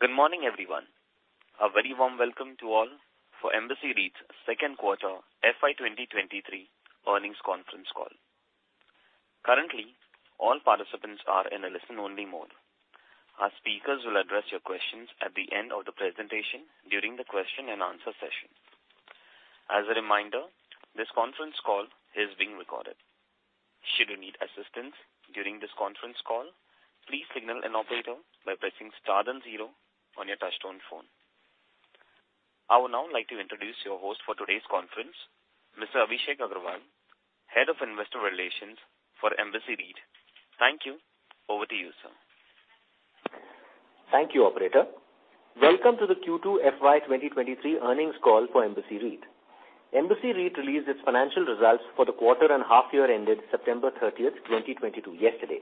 Good morning, everyone. A very warm welcome to all for Embassy REIT's Second Quarter FY 2023 Earnings Conference Call. Currently, all participants are in a listen-only mode. Our speakers will address your questions at the end of the presentation during the question and answer session. As a reminder, this conference call is being recorded. Should you need assistance during this conference call, please signal an operator by pressing star then zero on your touchtone phone. I would now like to introduce your host for today's conference, Mr. Abhishek Agrawal, Head of Investor Relations for Embassy REIT. Thank you. Over to you, sir. Thank you, operator. Welcome to the Q2 FY 2023 earnings call for Embassy REIT. Embassy REIT released its financial results for the quarter and half year ended September 30, 2022 yesterday.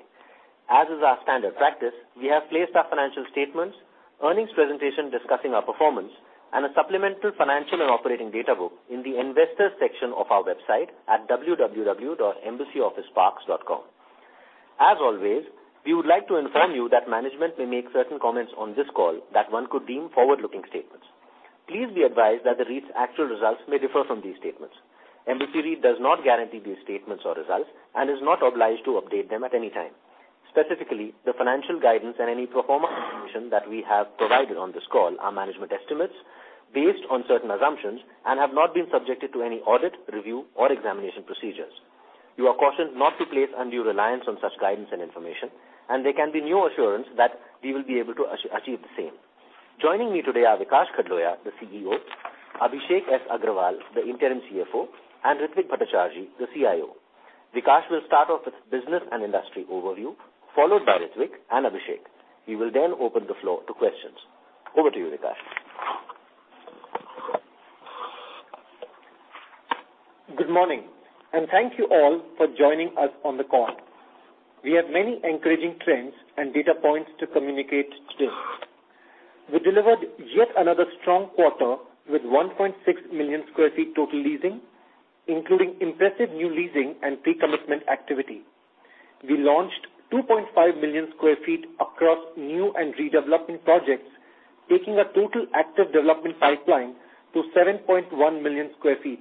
As is our standard practice, we have placed our financial statements, earnings presentation discussing our performance, and a supplemental financial and operating data book in the investors section of our website at www.embassyofficeparks.com. As always, we would like to inform you that management may make certain comments on this call that one could deem forward-looking statements. Please be advised that the REIT's actual results may differ from these statements. Embassy REIT does not guarantee these statements or results and is not obliged to update them at any time. Specifically, the financial guidance and any performance information that we have provided on this call are management estimates based on certain assumptions and have not been subjected to any audit, review, or examination procedures. You are cautioned not to place undue reliance on such guidance and information, and there can be no assurance that we will be able to achieve the same. Joining me today are Vikaash Khdloya, the CEO, Abhishek S. Agrawal, the interim CFO, and Ritwik Bhattacharjee, the CIO. Vikaash will start off with business and industry overview, followed by Ritwik and Abhishek. We will then open the floor to questions. Over to you, Vikaash. Good morning, and thank you all for joining us on the call. We have many encouraging trends and data points to communicate today. We delivered yet another strong quarter with 1.6 million sq ft total leasing, including impressive new leasing and pre-commitment activity. We launched 2.5 million sq ft across new and redevelopment projects, taking our total active development pipeline to 7.1 million sq ft,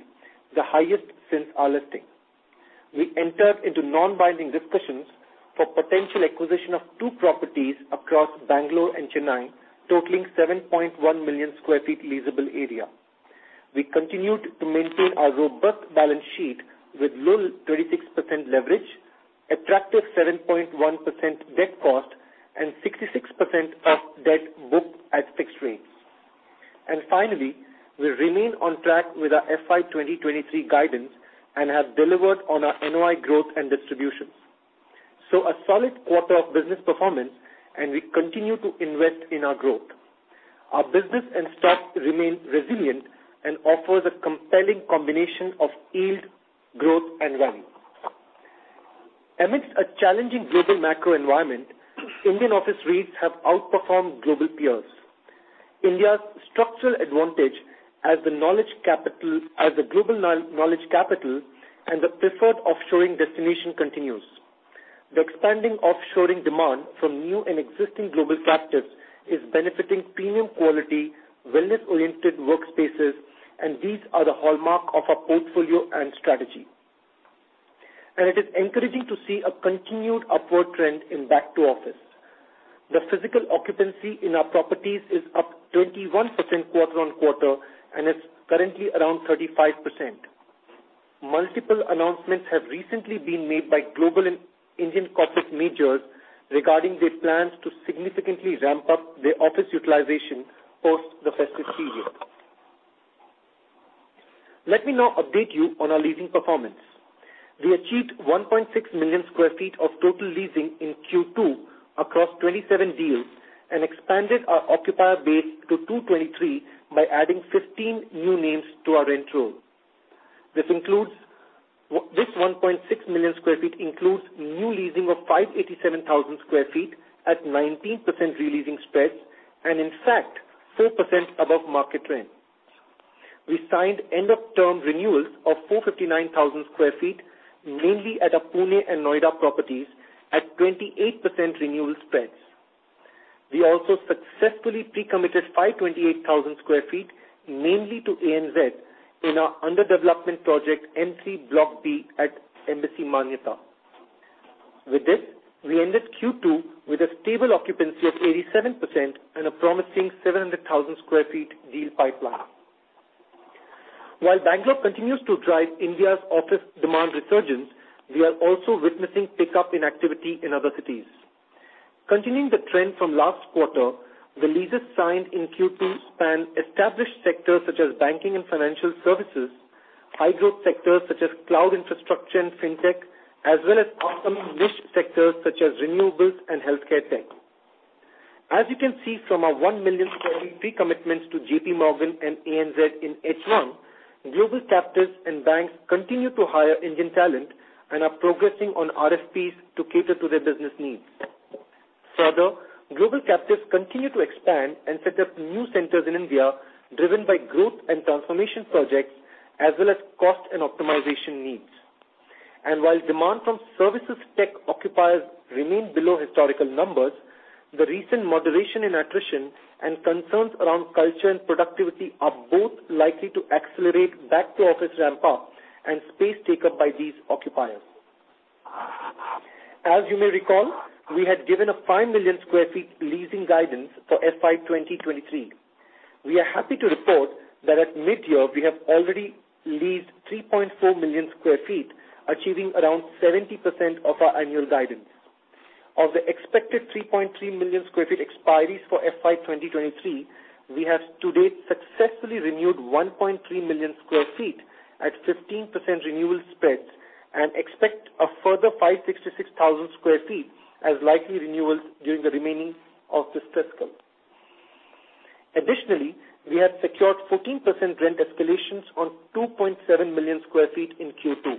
the highest since our listing. We entered into non-binding discussions for potential acquisition of two properties across Bangalore and Chennai, totaling 7.1 million sq ft leasable area. We continued to maintain our robust balance sheet with low 36% leverage, attractive 7.1% debt cost, and 66% of debt booked at fixed rates. Finally, we remain on track with our FY 2023 guidance and have delivered on our NOI growth and distributions. A solid quarter of business performance, and we continue to invest in our growth. Our business and stock remain resilient and offers a compelling combination of yield, growth, and value. Amidst a challenging global macro environment, Indian office REITs have outperformed global peers. India's structural advantage as the global knowledge capital and the preferred offshoring destination continues. The expanding offshoring demand from new and existing global captives is benefiting premium quality, wellness-oriented workspaces, and these are the hallmark of our portfolio and strategy. It is encouraging to see a continued upward trend in back to office. The physical occupancy in our properties is up 21% quarter on quarter and is currently around 35%. Multiple announcements have recently been made by global and Indian corporate majors regarding their plans to significantly ramp up their office utilization post the festive period. Let me now update you on our leasing performance. We achieved 1.6 million sq ft of total leasing in Q2 across 27 deals and expanded our occupier base to 223 by adding 15 new names to our rent roll. This 1.6 million sq ft includes new leasing of 587,000 sq ft at 19% re-leasing spreads and in fact, 4% above market rent. We signed end of term renewals of 459,000 sq ft, mainly at our Pune and Noida properties at 28% renewal spreads. We also successfully pre-committed 528,000 sq ft, mainly to ANZ in our under development project M3 Block B at Embassy Manyata. With this, we ended Q2 with a stable occupancy of 87% and a promising 700,000 sq ft deal pipeline. While Bangalore continues to drive India's office demand resurgence, we are also witnessing pickup in activity in other cities. Continuing the trend from last quarter, the leases signed in Q2 span established sectors such as banking and financial services, high growth sectors such as cloud infrastructure and fintech, as well as upcoming niche sectors such as renewables and healthcare tech. As you can see from our 1 million sq ft commitments to J.P. Morgan and ANZ in H1, global captives and banks continue to hire Indian talent and are progressing on RFPs to cater to their business needs. Further, global captives continue to expand and set up new centers in India, driven by growth and transformation projects as well as cost and optimization needs. While demand from services tech occupiers remain below historical numbers, the recent moderation in attrition and concerns around culture and productivity are both likely to accelerate back to office ramp-up and space take up by these occupiers. As you may recall, we had given a 5 million sq ft leasing guidance for FY 2023. We are happy to report that at mid-year, we have already leased 3.4 million sq ft, achieving around 70% of our annual guidance. Of the expected 3.3 million sq ft expiries for FY 2023, we have to date successfully renewed 1.3 million sq ft at 15% renewal spreads and expect a further 566,000 sq ft as likely renewals during the remaining of this fiscal. Additionally, we have secured 14% rent escalations on 2.7 million sq ft in Q2.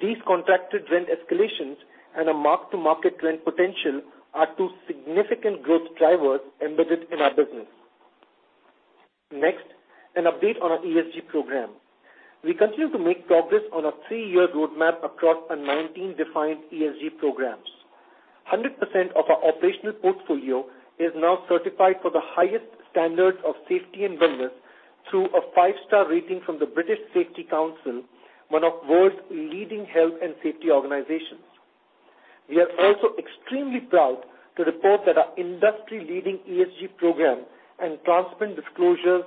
These contracted rent escalations and a mark-to-market rent potential are two significant growth drivers embedded in our business. Next, an update on our ESG program. We continue to make progress on our three-year roadmap across our 19 defined ESG programs. 100% of our operational portfolio is now certified for the highest standards of safety and wellness through a five-star rating from the British Safety Council, one of the world's leading health and safety organizations. We are also extremely proud to report that our industry-leading ESG program and transparent disclosures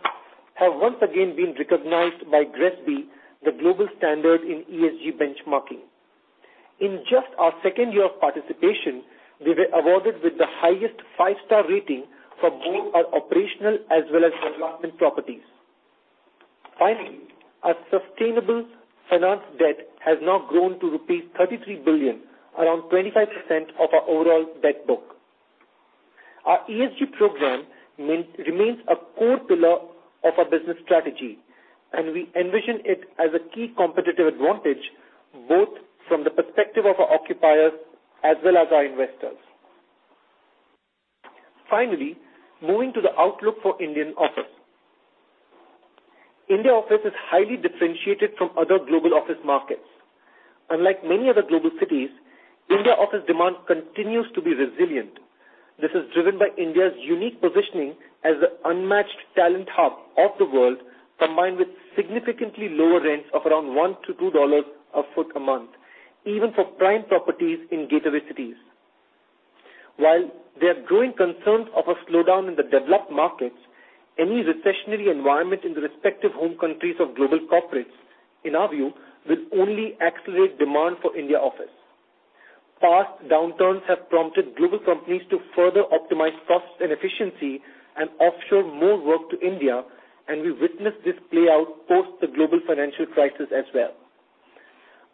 have once again been recognized by GRESB, the global standard in ESG benchmarking. In just our second year of participation, we were awarded with the highest five-star rating for both our operational as well as development properties. Finally, our sustainable finance debt has now grown to rupees 33 billion, around 25% of our overall debt book. Our ESG program remains a core pillar of our business strategy, and we envision it as a key competitive advantage, both from the perspective of our occupiers as well as our investors. Finally, moving to the outlook for Indian office. India office is highly differentiated from other global office markets. Unlike many other global cities, India office demand continues to be resilient. This is driven by India's unique positioning as the unmatched talent hub of the world, combined with significantly lower rents of around $1-$2 a foot a month, even for prime properties in gateway cities. While there are growing concerns of a slowdown in the developed markets, any recessionary environment in the respective home countries of global corporates, in our view, will only accelerate demand for India office. Past downturns have prompted global companies to further optimize costs and efficiency and offshore more work to India, and we witnessed this play out post the global financial crisis as well.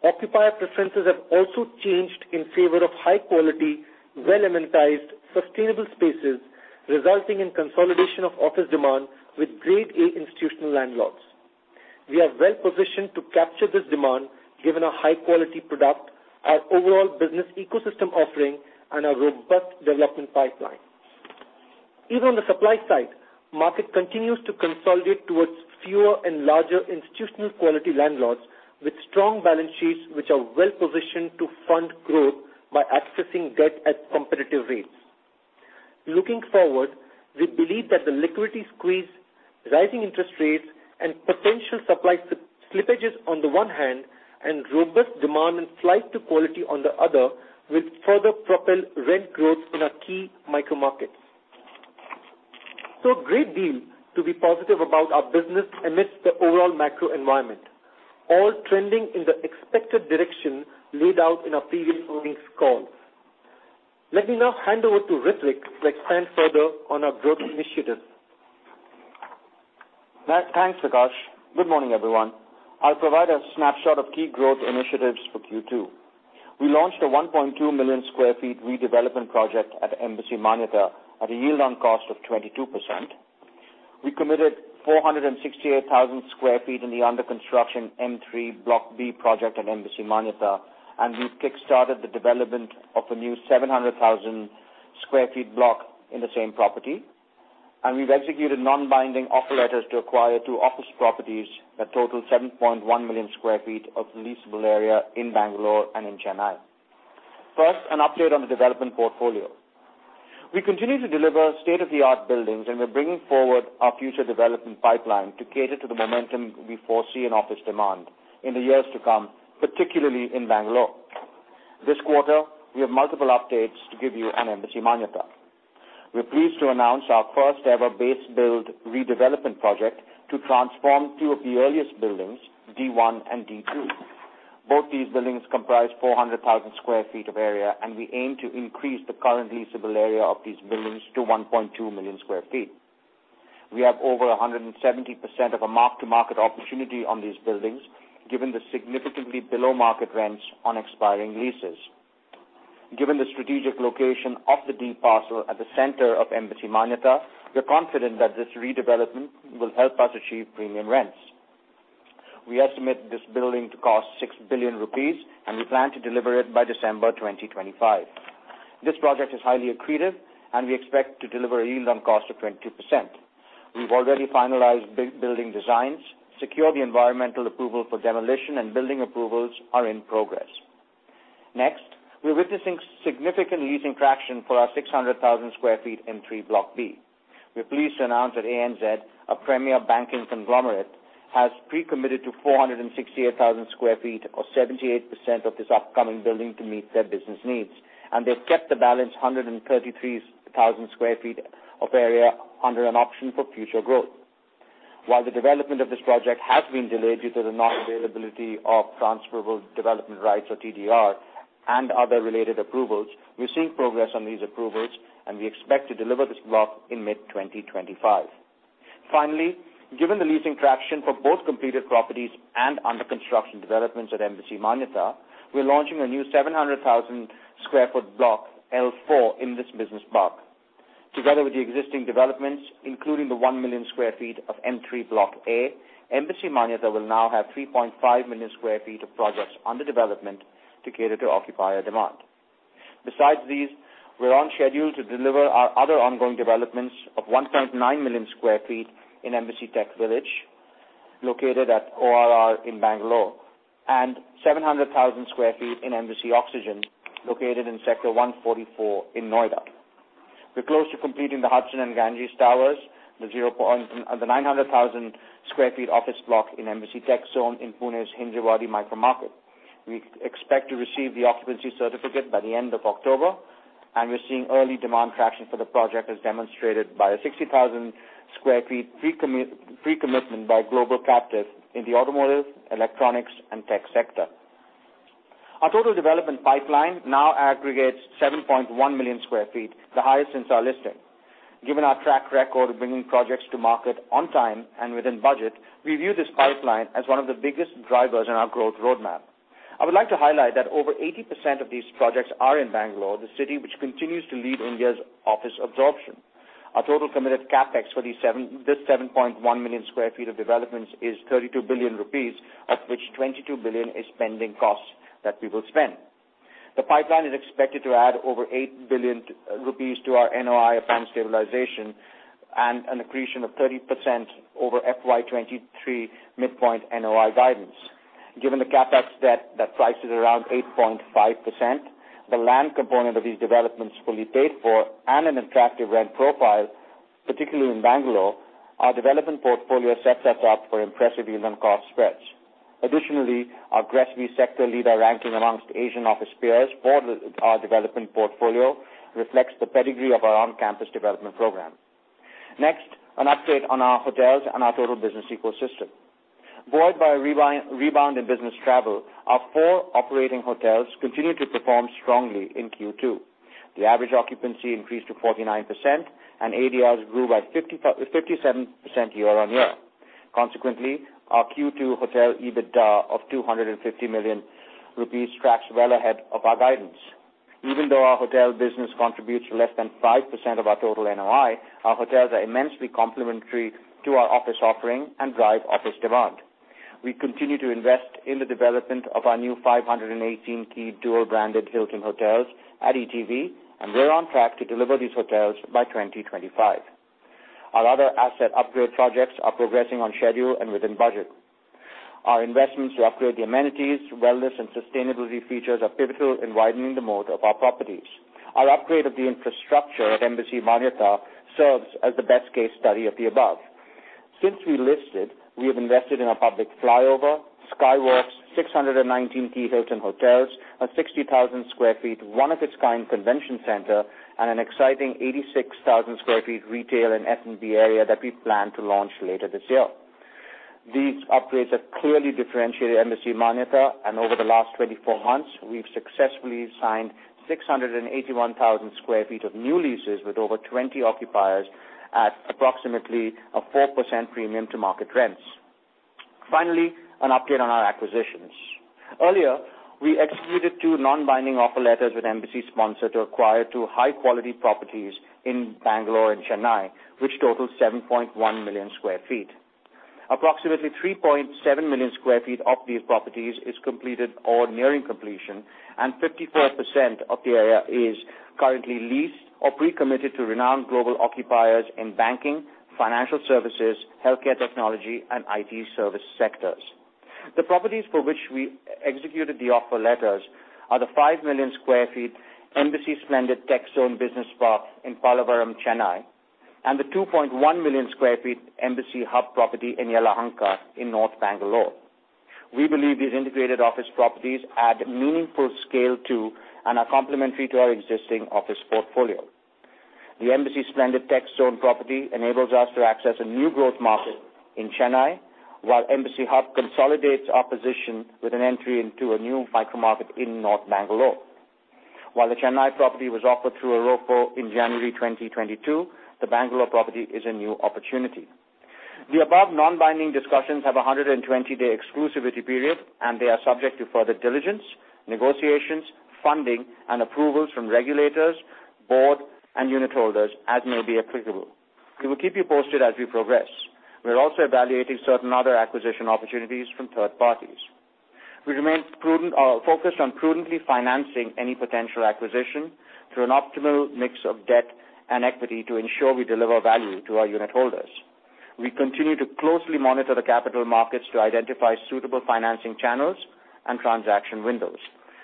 Occupier preferences have also changed in favor of high quality, well amenitized, sustainable spaces, resulting in consolidation of office demand with grade A institutional landlords. We are well-positioned to capture this demand given our high-quality product, our overall business ecosystem offering, and our robust development pipeline. Even on the supply side, market continues to consolidate towards fewer and larger institutional quality landlords with strong balance sheets which are well-positioned to fund growth by accessing debt at competitive rates. Looking forward, we believe that the liquidity squeeze, rising interest rates, and potential supply slippages on the one hand, and robust demand and flight to quality on the other, will further propel rent growth in our key micro markets. A great deal to be positive about our business amidst the overall macro environment, all trending in the expected direction laid out in our previous earnings calls. Let me now hand over to Ritwik to expand further on our growth initiatives. Thanks, Vikaash. Good morning, everyone. I'll provide a snapshot of key growth initiatives for Q2. We launched a 1.2 million sq ft redevelopment project at Embassy Manyata at a yield on cost of 22%. We committed 468,000 sq ft in the under construction M3 Block B project at Embassy Manyata, and we've kickstarted the development of a new 700,000 sq ft block in the same property. We've executed non-binding offer letters to acquire two office properties that total 7.1 million sq ft of leasable area in Bangalore and in Chennai. First, an update on the development portfolio. We continue to deliver state-of-the-art buildings, and we're bringing forward our future development pipeline to cater to the momentum we foresee in office demand in the years to come, particularly in Bangalore. This quarter, we have multiple updates to give you on Embassy Manyata. We're pleased to announce our first ever base build redevelopment project to transform two of the earliest buildings, D1 and D2. Both these buildings comprise 400,000 sq ft of area, and we aim to increase the current leasable area of these buildings to 1.2 million sq ft. We have over 170% of a mark-to-market opportunity on these buildings, given the significantly below-market rents on expiring leases. Given the strategic location of the D parcel at the center of Embassy Manyata, we're confident that this redevelopment will help us achieve premium rents. We estimate this building to cost 6 billion rupees, and we plan to deliver it by December 2025. This project is highly accretive, and we expect to deliver a yield on cost of 22%. We've already finalized building designs, secure the environmental approval for demolition, and building approvals are in progress. Next, we're witnessing significant leasing traction for our 600,000 sq ft M3 Block B. We are pleased to announce that ANZ, a premier banking conglomerate, has pre-committed to 468,000 sq ft, or 78% of this upcoming building to meet their business needs. They've kept the balance 133,000 sq ft of area under an option for future growth. While the development of this project has been delayed due to the non-availability of transferable development rights, or TDR, and other related approvals, we're seeing progress on these approvals, and we expect to deliver this block in mid-2025. Finally, given the leasing traction for both completed properties and under construction developments at Embassy Manyata, we are launching a new 700,000 sq ft block, L4, in this business park. Together with the existing developments, including the 1 million sq ft of M3 Block A, Embassy Manyata will now have 3.5 million sq ft of projects under development to cater to occupier demand. Besides these, we're on schedule to deliver our other ongoing developments of 1.9 million sq ft in Embassy TechVillage, located at ORR in Bangalore, and 700,000 sq ft in Embassy Oxygen, located in Sector 144 in Noida. We're close to completing the Hudson and Ganges Towers, the 900,000 sq ft office block in Embassy Tech Zone in Pune's Hinjewadi micro market. We expect to receive the occupancy certificate by the end of October, and we're seeing early demand traction for the project as demonstrated by a 60,000 sq ft pre-commitment by global captives in the automotive, electronics, and tech sector. Our total development pipeline now aggregates 7.1 million sq ft, the highest since our listing. Given our track record of bringing projects to market on time and within budget, we view this pipeline as one of the biggest drivers in our growth roadmap. I would like to highlight that over 80% of these projects are in Bangalore, the city which continues to lead India's office absorption. Our total committed CapEx for this 7.1 million sq ft of developments is 32 billion rupees, of which 22 billion is pending costs that we will spend. The pipeline is expected to add over 8 billion rupees to our NOI upon stabilization and an accretion of 30% over FY 2023 midpoint NOI guidance. Given the CapEx debt that prices around 8.5%, the land component of these developments fully paid for, and an attractive rent profile, particularly in Bangalore, our development portfolio sets us up for impressive yield on cost spreads. Additionally, our GRESB sector leader ranking amongst Asian office peers for our development portfolio reflects the pedigree of our on-campus development program. Next, an update on our hotels and our total business ecosystem. Buoyed by a rebound in business travel, our four operating hotels continued to perform strongly in Q2. The average occupancy increased to 49%, and ADRs grew by 57% year-on-year. Consequently, our Q2 hotel EBITDA of 250 million rupees tracks well ahead of our guidance. Even though our hotel business contributes less than 5% of our total NOI, our hotels are immensely complementary to our office offering and drive office demand. We continue to invest in the development of our new 518-key dual-branded Hilton hotels at ETV, and we're on track to deliver these hotels by 2025. Our other asset upgrade projects are progressing on schedule and within budget. Our investments to upgrade the amenities, wellness, and sustainability features are pivotal in widening the moat of our properties. Our upgrade of the infrastructure at Embassy Manyata serves as the best case study of the above. Since we listed, we have invested in a public flyover, skywalks, 619 key Hilton hotels, a 60,000 sq ft one-of-a-kind convention center, and an exciting 86,000 sq ft retail and F&B area that we plan to launch later this year. These upgrades have clearly differentiated Embassy Manyata, and over the last 24 months, we've successfully signed 681,000 sq ft of new leases with over 20 occupiers at approximately a 4% premium to market rents. Finally, an update on our acquisitions. Earlier, we executed two non-binding offer letters with Embassy Sponsor to acquire two high-quality properties in Bangalore and Chennai, which total 7.1 million sq ft. Approximately 3.7 million sq ft of these properties is completed or nearing completion, and 54% of the area is currently leased or pre-committed to renowned global occupiers in banking, financial services, healthcare technology, and IT service sectors. The properties for which we executed the offer letters are the 5 million sq ft Embassy Splendid Tech Zone business park in Pallavaram, Chennai, and the 2.1 million sq ft Embassy Hub property in Yelahanka in North Bangalore. We believe these integrated office properties add meaningful scale, too, and are complementary to our existing office portfolio. The Embassy Splendid Tech Zone property enables us to access a new growth market in Chennai, while Embassy Hub consolidates our position with an entry into a new micro market in North Bangalore. While the Chennai property was offered through a ROFO in January 2022, the Bangalore property is a new opportunity. The above non-binding discussions have a 120-day exclusivity period, and they are subject to further diligence, negotiations, funding, and approvals from regulators, board, and unitholders as may be applicable. We will keep you posted as we progress. We are also evaluating certain other acquisition opportunities from third parties. We remain prudent, focused on prudently financing any potential acquisition through an optimal mix of debt and equity to ensure we deliver value to our unit holders. We continue to closely monitor the capital markets to identify suitable financing channels and transaction windows.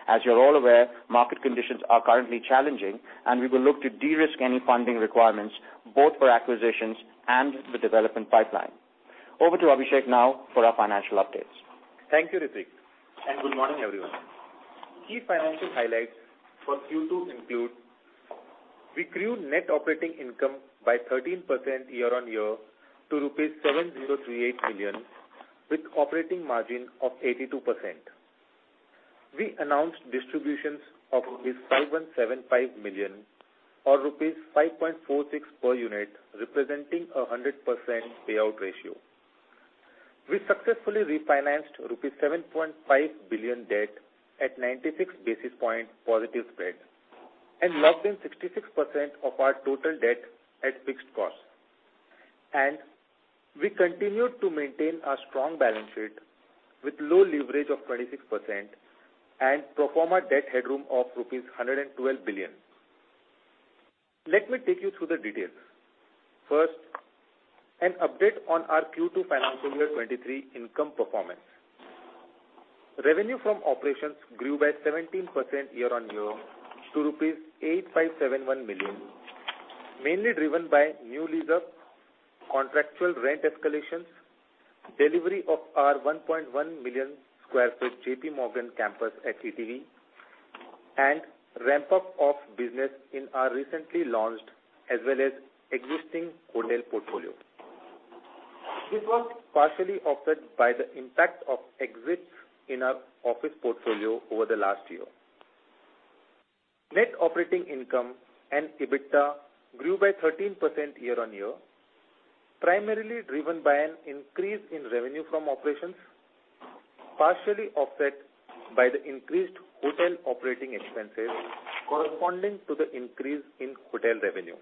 As you're all aware, market conditions are currently challenging, and we will look to de-risk any funding requirements, both for acquisitions and the development pipeline. Over to Abhishek now for our financial updates. Thank you, Ritwik, and good morning, everyone. Key financial highlights for Q2 include. We grew net operating income by 13% year-on-year to rupees 7.038 billion, with operating margin of 82%. We announced distributions of 5,175 million, or rupees 5.46 per unit, representing a 100% payout ratio. We successfully refinanced 7.5 billion rupees debt at 96 basis point positive spread, and locked in 66% of our total debt at fixed cost. We continued to maintain a strong balance sheet with low leverage of 26% and pro forma debt headroom of rupees 112 billion. Let me take you through the details. First, an update on our Q2 financial year 2023 income performance. Revenue from operations grew by 17% year-on-year to rupees 8,571 million, mainly driven by new lease-up, contractual rent escalations, delivery of our 1.1 million sq ft J.P. Morgan campus at ETV, and ramp-up of business in our recently launched as well as existing hotel portfolio. This was partially offset by the impact of exits in our office portfolio over the last year. Net operating income and EBITDA grew by 13% year-on-year, primarily driven by an increase in revenue from operations, partially offset by the increased hotel operating expenses corresponding to the increase in hotel revenue.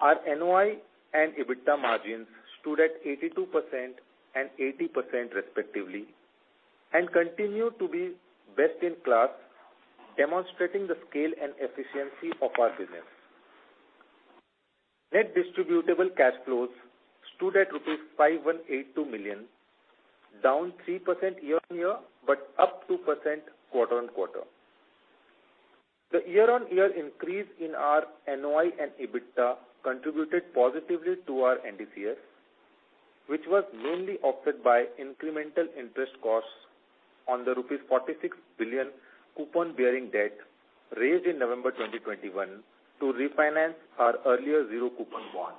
Our NOI and EBITDA margins stood at 82% and 80% respectively, and continue to be best in class, demonstrating the scale and efficiency of our business. Net distributable cash flows stood at rupees 518.2 million, down 3% year-on-year, but up 2% quarter-on-quarter. The year-on-year increase in our NOI and EBITDA contributed positively to our NDCF, which was mainly offset by incremental interest costs on the rupees 46 billion coupon-bearing debt raised in November 2021 to refinance our earlier zero coupon bond.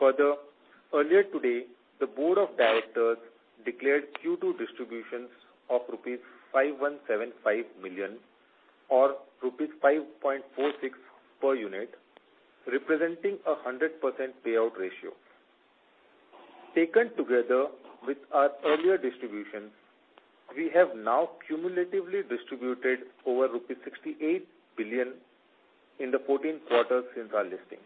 Further, earlier today, the board of directors declared Q2 distributions of rupees 517.5 million, or rupees 5.46 per unit, representing a 100% payout ratio. Taken together with our earlier distributions, we have now cumulatively distributed over rupees 68 billion in the 14 quarters since our listing.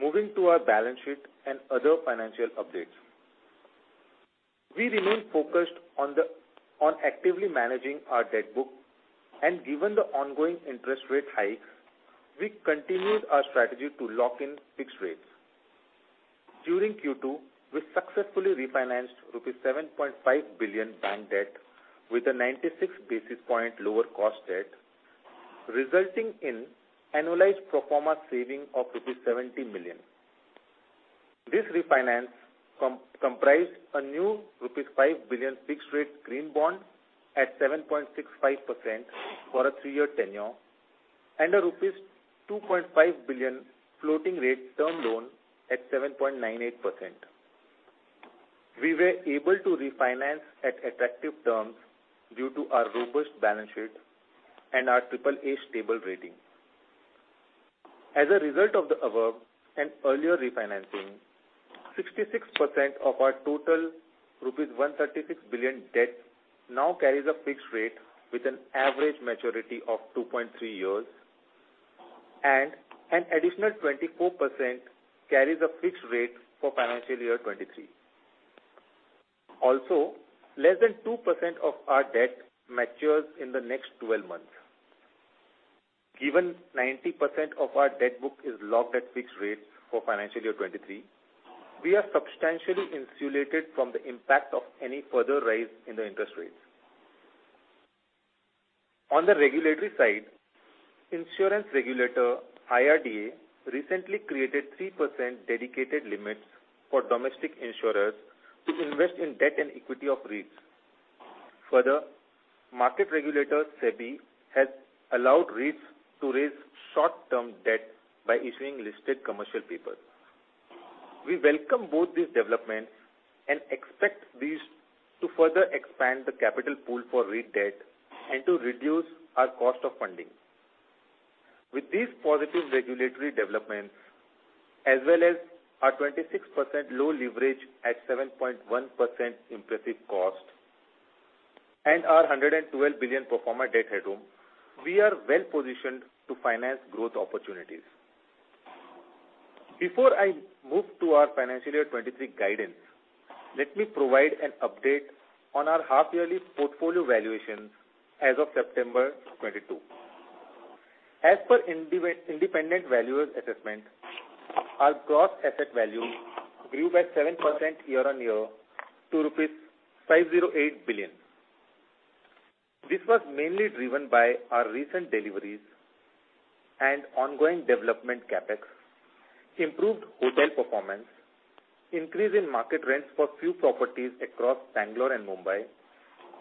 Moving to our balance sheet and other financial updates. We remain focused on actively managing our debt book, and given the ongoing interest rate hikes, we continued our strategy to lock in fixed rates. During Q2, we successfully refinanced 7.5 billion rupees bank debt with a 96 basis point lower cost debt, resulting in annualized pro forma saving of rupees 70 million. This refinance comprised a new rupees 5 billion fixed rate green bond at 7.65% for a three-year tenure and a rupees 2.5 billion floating rate term loan at 7.98%. We were able to refinance at attractive terms due to our robust balance sheet and our AAA stable rating. As a result of the above and earlier refinancing, 66% of our total INR 136 billion debt now carries a fixed rate with an average maturity of 2.3 years, and an additional 24% carries a fixed rate for financial year 2023. Also, less than 2% of our debt matures in the next 12 months. Given 90% of our debt book is locked at fixed rates for financial year 2023, we are substantially insulated from the impact of any further rise in the interest rates. On the regulatory side, insurance regulator IRDA recently created 3% dedicated limits for domestic insurers to invest in debt and equity of REITs. Further, market regulator SEBI has allowed REITs to raise short-term debt by issuing listed commercial paper. We welcome both these developments and expect these to further expand the capital pool for REIT debt and to reduce our cost of funding. With these positive regulatory developments, as well as our 26% low leverage at 7.1% impressively low cost and our 112 billion pro forma debt headroom, we are well-positioned to finance growth opportunities. Before I move to our financial year 2023 guidance, let me provide an update on our half yearly portfolio valuations as of September 2022. As per independent valuer assessment, our gross asset value grew by 7% year-on-year to rupees 508 billion. This was mainly driven by our recent deliveries and ongoing development CapEx, improved hotel performance, increase in market rents for few properties across Bangalore and Mumbai,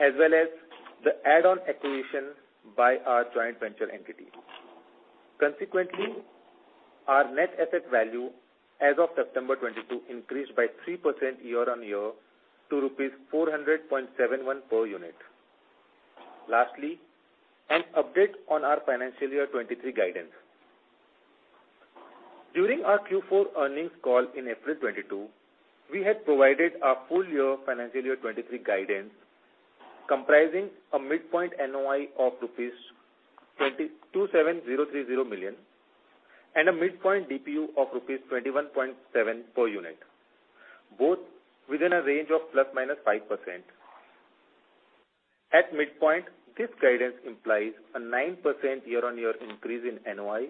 as well as the add-on acquisition by our joint venture entity. Consequently, our net asset value as of September 2022 increased by 3% year-on-year to INR 400.71 per unit. Lastly, an update on our financial year 2023 guidance. During our Q4 earnings call in April 2022, we had provided our full year financial year 2023 guidance, comprising a midpoint NOI of rupees 227.03 million and a midpoint DPU of rupees 21.7 per unit, both within a range of ±5%. At midpoint, this guidance implies a 9% year-on-year increase in NOI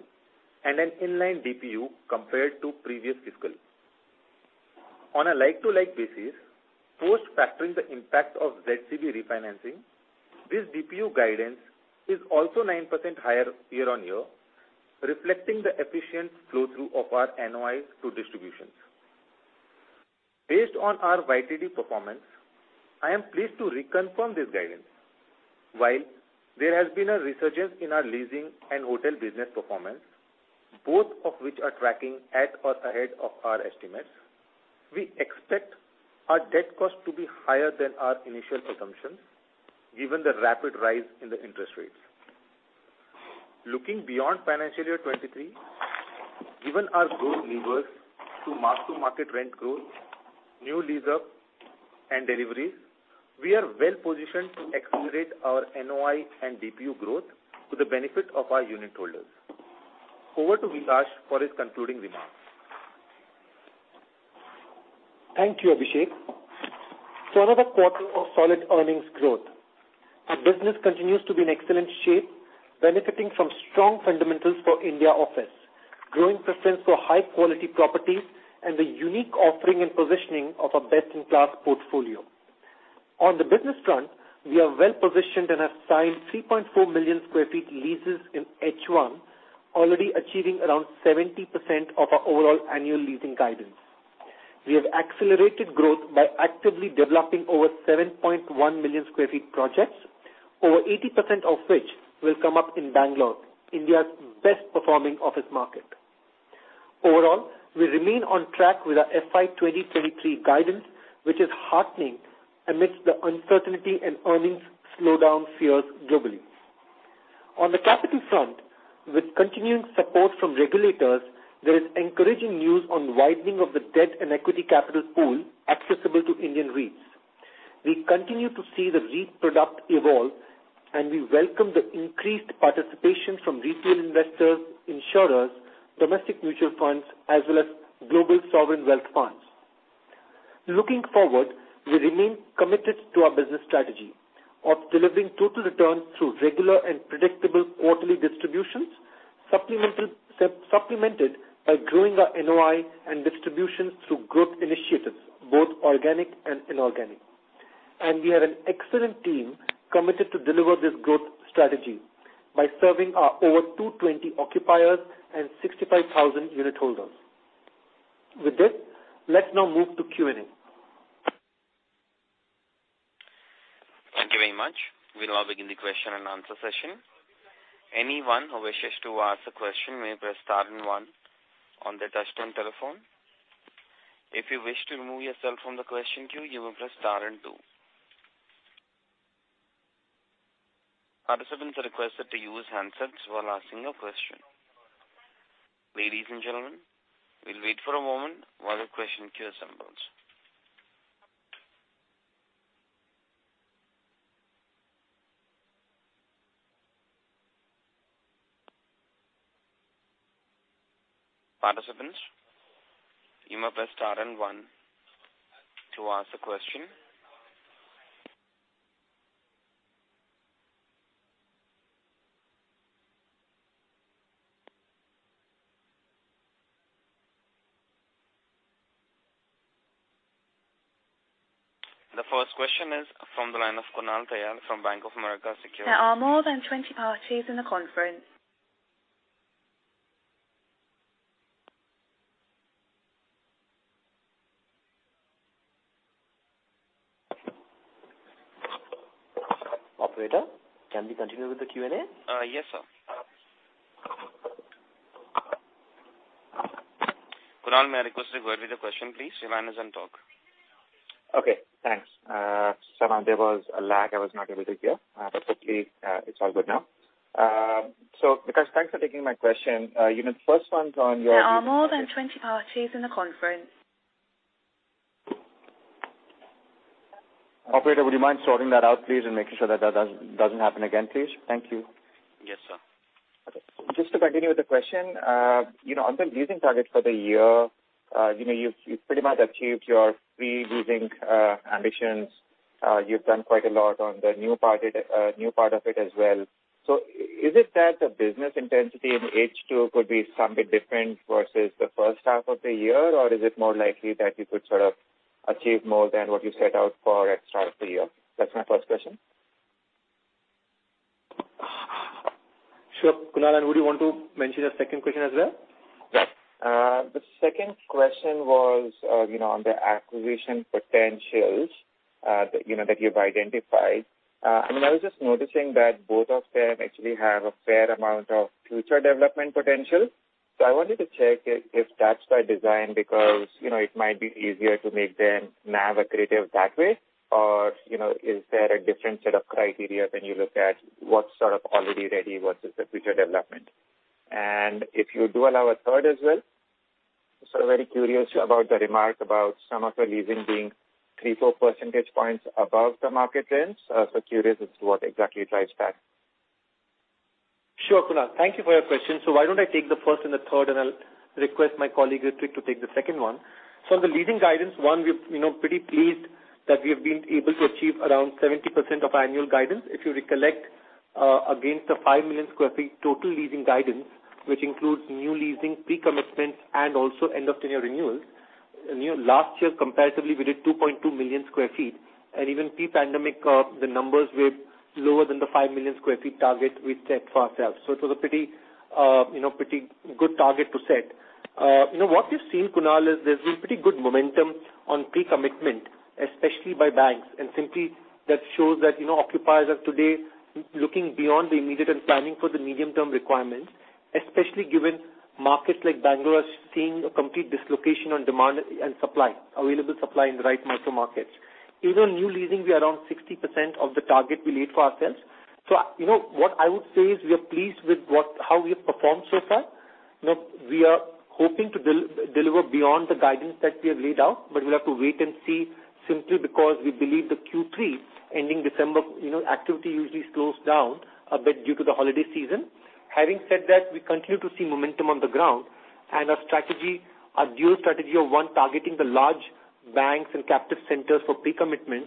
and an in-line DPU compared to previous fiscal. On a like-to-like basis, post factoring the impact of ZCB refinancing, this DPU guidance is also 9% higher year-on-year, reflecting the efficient flow through of our NOI to distributions. Based on our YTD performance, I am pleased to reconfirm this guidance. While there has been a resurgence in our leasing and hotel business performance, both of which are tracking at or ahead of our estimates, we expect our debt cost to be higher than our initial assumptions given the rapid rise in the interest rates. Looking beyond financial year 2023, given our growth levers to mark-to-market rent growth, new lease up and deliveries, we are well positioned to accelerate our NOI and DPU growth to the benefit of our unitholders. Over to Vikaash for his concluding remarks. Thank you, Abhishek. Another quarter of solid earnings growth. Our business continues to be in excellent shape, benefiting from strong fundamentals for India office, growing preference for high quality properties, and the unique offering and positioning of a best-in-class portfolio. On the business front, we are well positioned and have signed 3.4 million sq ft leases in H1, already achieving around 70% of our overall annual leasing guidance. We have accelerated growth by actively developing over 7.1 million sq ft projects, over 80% of which will come up in Bangalore, India's best performing office market. Overall, we remain on track with our FY 2023 guidance, which is heartening amidst the uncertainty and earnings slowdown fears globally. On the capital front, with continuing support from regulators, there is encouraging news on widening of the debt and equity capital pool accessible to Indian REITs. We continue to see the REIT product evolve, and we welcome the increased participation from retail investors, insurers, domestic mutual funds, as well as global sovereign wealth funds. Looking forward, we remain committed to our business strategy of delivering total returns through regular and predictable quarterly distributions, supplemented by growing our NOI and distribution through growth initiatives, both organic and inorganic. We have an excellent team committed to deliver this growth strategy by serving our over 220 occupiers and 65,000 unitholders. With this, let's now move to Q&A. Thank you very much. We'll now begin the question and answer session. Anyone who wishes to ask a question may press star and one on their touchtone telephone. If you wish to remove yourself from the question queue, you will press star and two. Participants are requested to use handsets while asking a question. Ladies and gentlemen, we'll wait for a moment while the question queue assembles. Participants, you may press star and one to ask a question. The first question is from the line of Kunal Tayal from Bank of America Securities. Operator, can we continue with the Q&A? Yes, sir. Kunal, may I request you go ahead with your question, please? Your line is on talk. Okay, thanks. There was a lag. I was not able to hear, but hopefully, it's all good now. Vikaash, thanks for taking my question. You know, the first one's on your-- Operator, would you mind sorting that out, please, and making sure that doesn't happen again, please? Thank you. Yes, sir. Okay. Just to continue with the question, you know, on the leasing target for the year, you know, you've pretty much achieved your pre-leasing ambitions. You've done quite a lot on the new part of it as well. Is it that the business intensity in H2 could be something different versus the first half of the year? Or is it more likely that you could sort of achieve more than what you set out for at start of the year? That's my first question. Sure, Kunal. Would you want to mention a second question as well? Yeah. The second question was, you know, on the acquisition potentials that, you know, that you've identified. I mean, I was just noticing that both of them actually have a fair amount of future development potential. I wanted to check if that's by design because, you know, it might be easier to make them NAV accretive that way. You know, is there a different set of criteria when you look at what's sort of already ready, what is the future development? If you do allow a third as well, sort of very curious about the remark about some of the leasing being 3-4 percentage points above the market rents. Curious as to what exactly drives that. Sure, Kunal. Thank you for your question. Why don't I take the first and the third, and I'll request my colleague, Ritwik, to take the second one. The leasing guidance, one, we're, you know, pretty pleased that we have been able to achieve around 70% of our annual guidance. If you recollect, against the 5 million sq ft total leasing guidance, which includes new leasing pre-commitments and also end of tenure renewals. You know, last year comparatively, we did 2.2 million sq ft. And even pre-pandemic, the numbers were lower than the 5 million sq ft target we set for ourselves. It was a pretty, you know, pretty good target to set. You know, what we've seen, Kunal, is there's been pretty good momentum on pre-commitment, especially by banks. Simply that shows that, you know, occupiers are today looking beyond the immediate and planning for the medium-term requirements, especially given markets like Bangalore are seeing a complete dislocation on demand and supply, available supply in the right micro markets. Even new leasing, we are around 60% of the target we laid for ourselves. You know, what I would say is we are pleased with how we have performed so far. You know, we are hoping to deliver beyond the guidance that we have laid out, but we'll have to wait and see simply because we believe the Q3 ending December, you know, activity usually slows down a bit due to the holiday season. Having said that, we continue to see momentum on the ground and our strategy, our dual strategy of, one, targeting the large banks and captive centers for pre-commitment.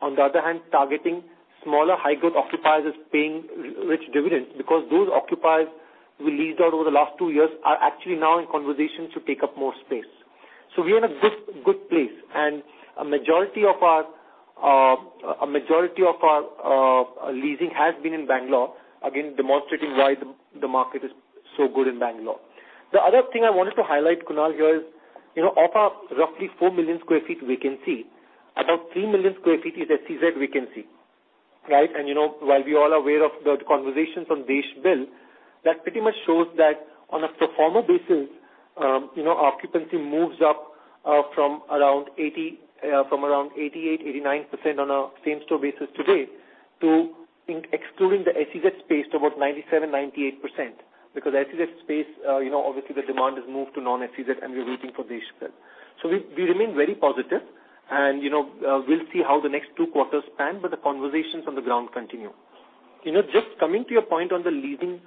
On the other hand, targeting smaller high growth occupiers is paying rich dividends because those occupiers we leased out over the last two years are actually now in conversations to take up more space. We are in a good place. A majority of our leasing has been in Bangalore, again, demonstrating why the market is so good in Bangalore. The other thing I wanted to highlight, Kunal, here is, you know, of our roughly 4 million sq ft vacancy, about 3 million sq ft is SEZ vacancy, right? You know, while we all are aware of the conversations on DESH Bill, that pretty much shows that on a pro forma basis, occupancy moves up from around 88-89% on a same store basis today to, including the SEZ space, about 97%-98%. Because SEZ space, obviously the demand has moved to non-SEZ and we are waiting for DESH Bill. We remain very positive and we'll see how the next two quarters pan, but the conversations on the ground continue. You know, just coming to your point on the leasing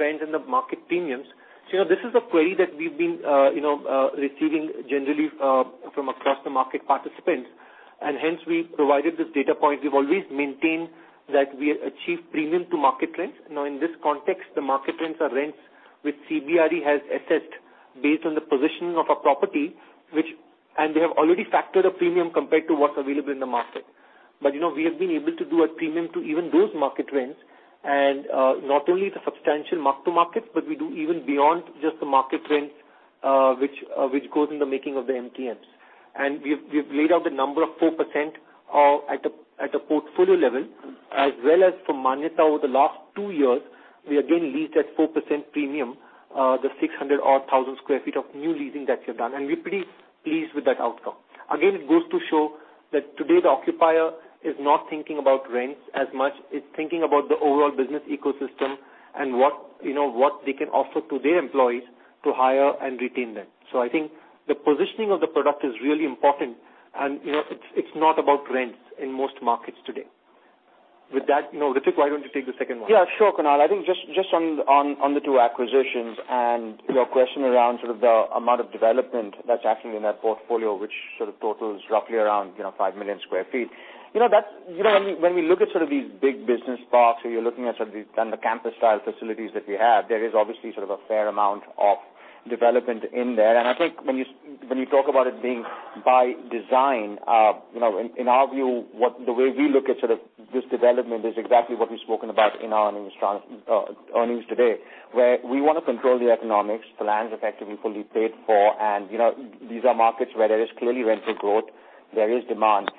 trends and the market premiums. You know, this is a query that we've been receiving generally from across the market participants, and hence we provided this data point. We've always maintained that we achieve premium to market rents. Now in this context, the market rents are rents which CBRE has assessed based on the positioning of a property, which they have already factored a premium compared to what's available in the market. You know, we have been able to do at premium to even those market rents. Not only the substantial mark-to-markets, but we do even beyond just the market rents, which goes in the making of the MTMs. We've laid out the number of 4%, at a portfolio level as well as from Manyata over the last two years, we again leased at 4% premium, the odd 600,000 sq ft of new leasing that we have done. We're pretty pleased with that outcome. Again, it goes to show that today the occupier is not thinking about rents as much, it's thinking about the overall business ecosystem and what, you know, what they can offer to their employees to hire and retain them. I think the positioning of the product is really important and, you know, it's not about rents in most markets today. With that, you know, Ritwik, why don't you take the second one? Yeah, sure, Kunal. I think just on the two acquisitions and your question around sort of the amount of development that's actually in that portfolio, which sort of totals roughly around, you know, 5 million sq ft. You know, that's, you know, when we look at sort of these big business parks or you're looking at sort of the campus style facilities that we have, there is obviously sort of a fair amount of development in there. I think when you talk about it being by design, you know, in our view, the way we look at sort of this development is exactly what we've spoken about in our earnings today. Where we wanna control the economics, the land's effectively fully paid for, and, you know, these are markets where there is clearly rental growth, there is demand.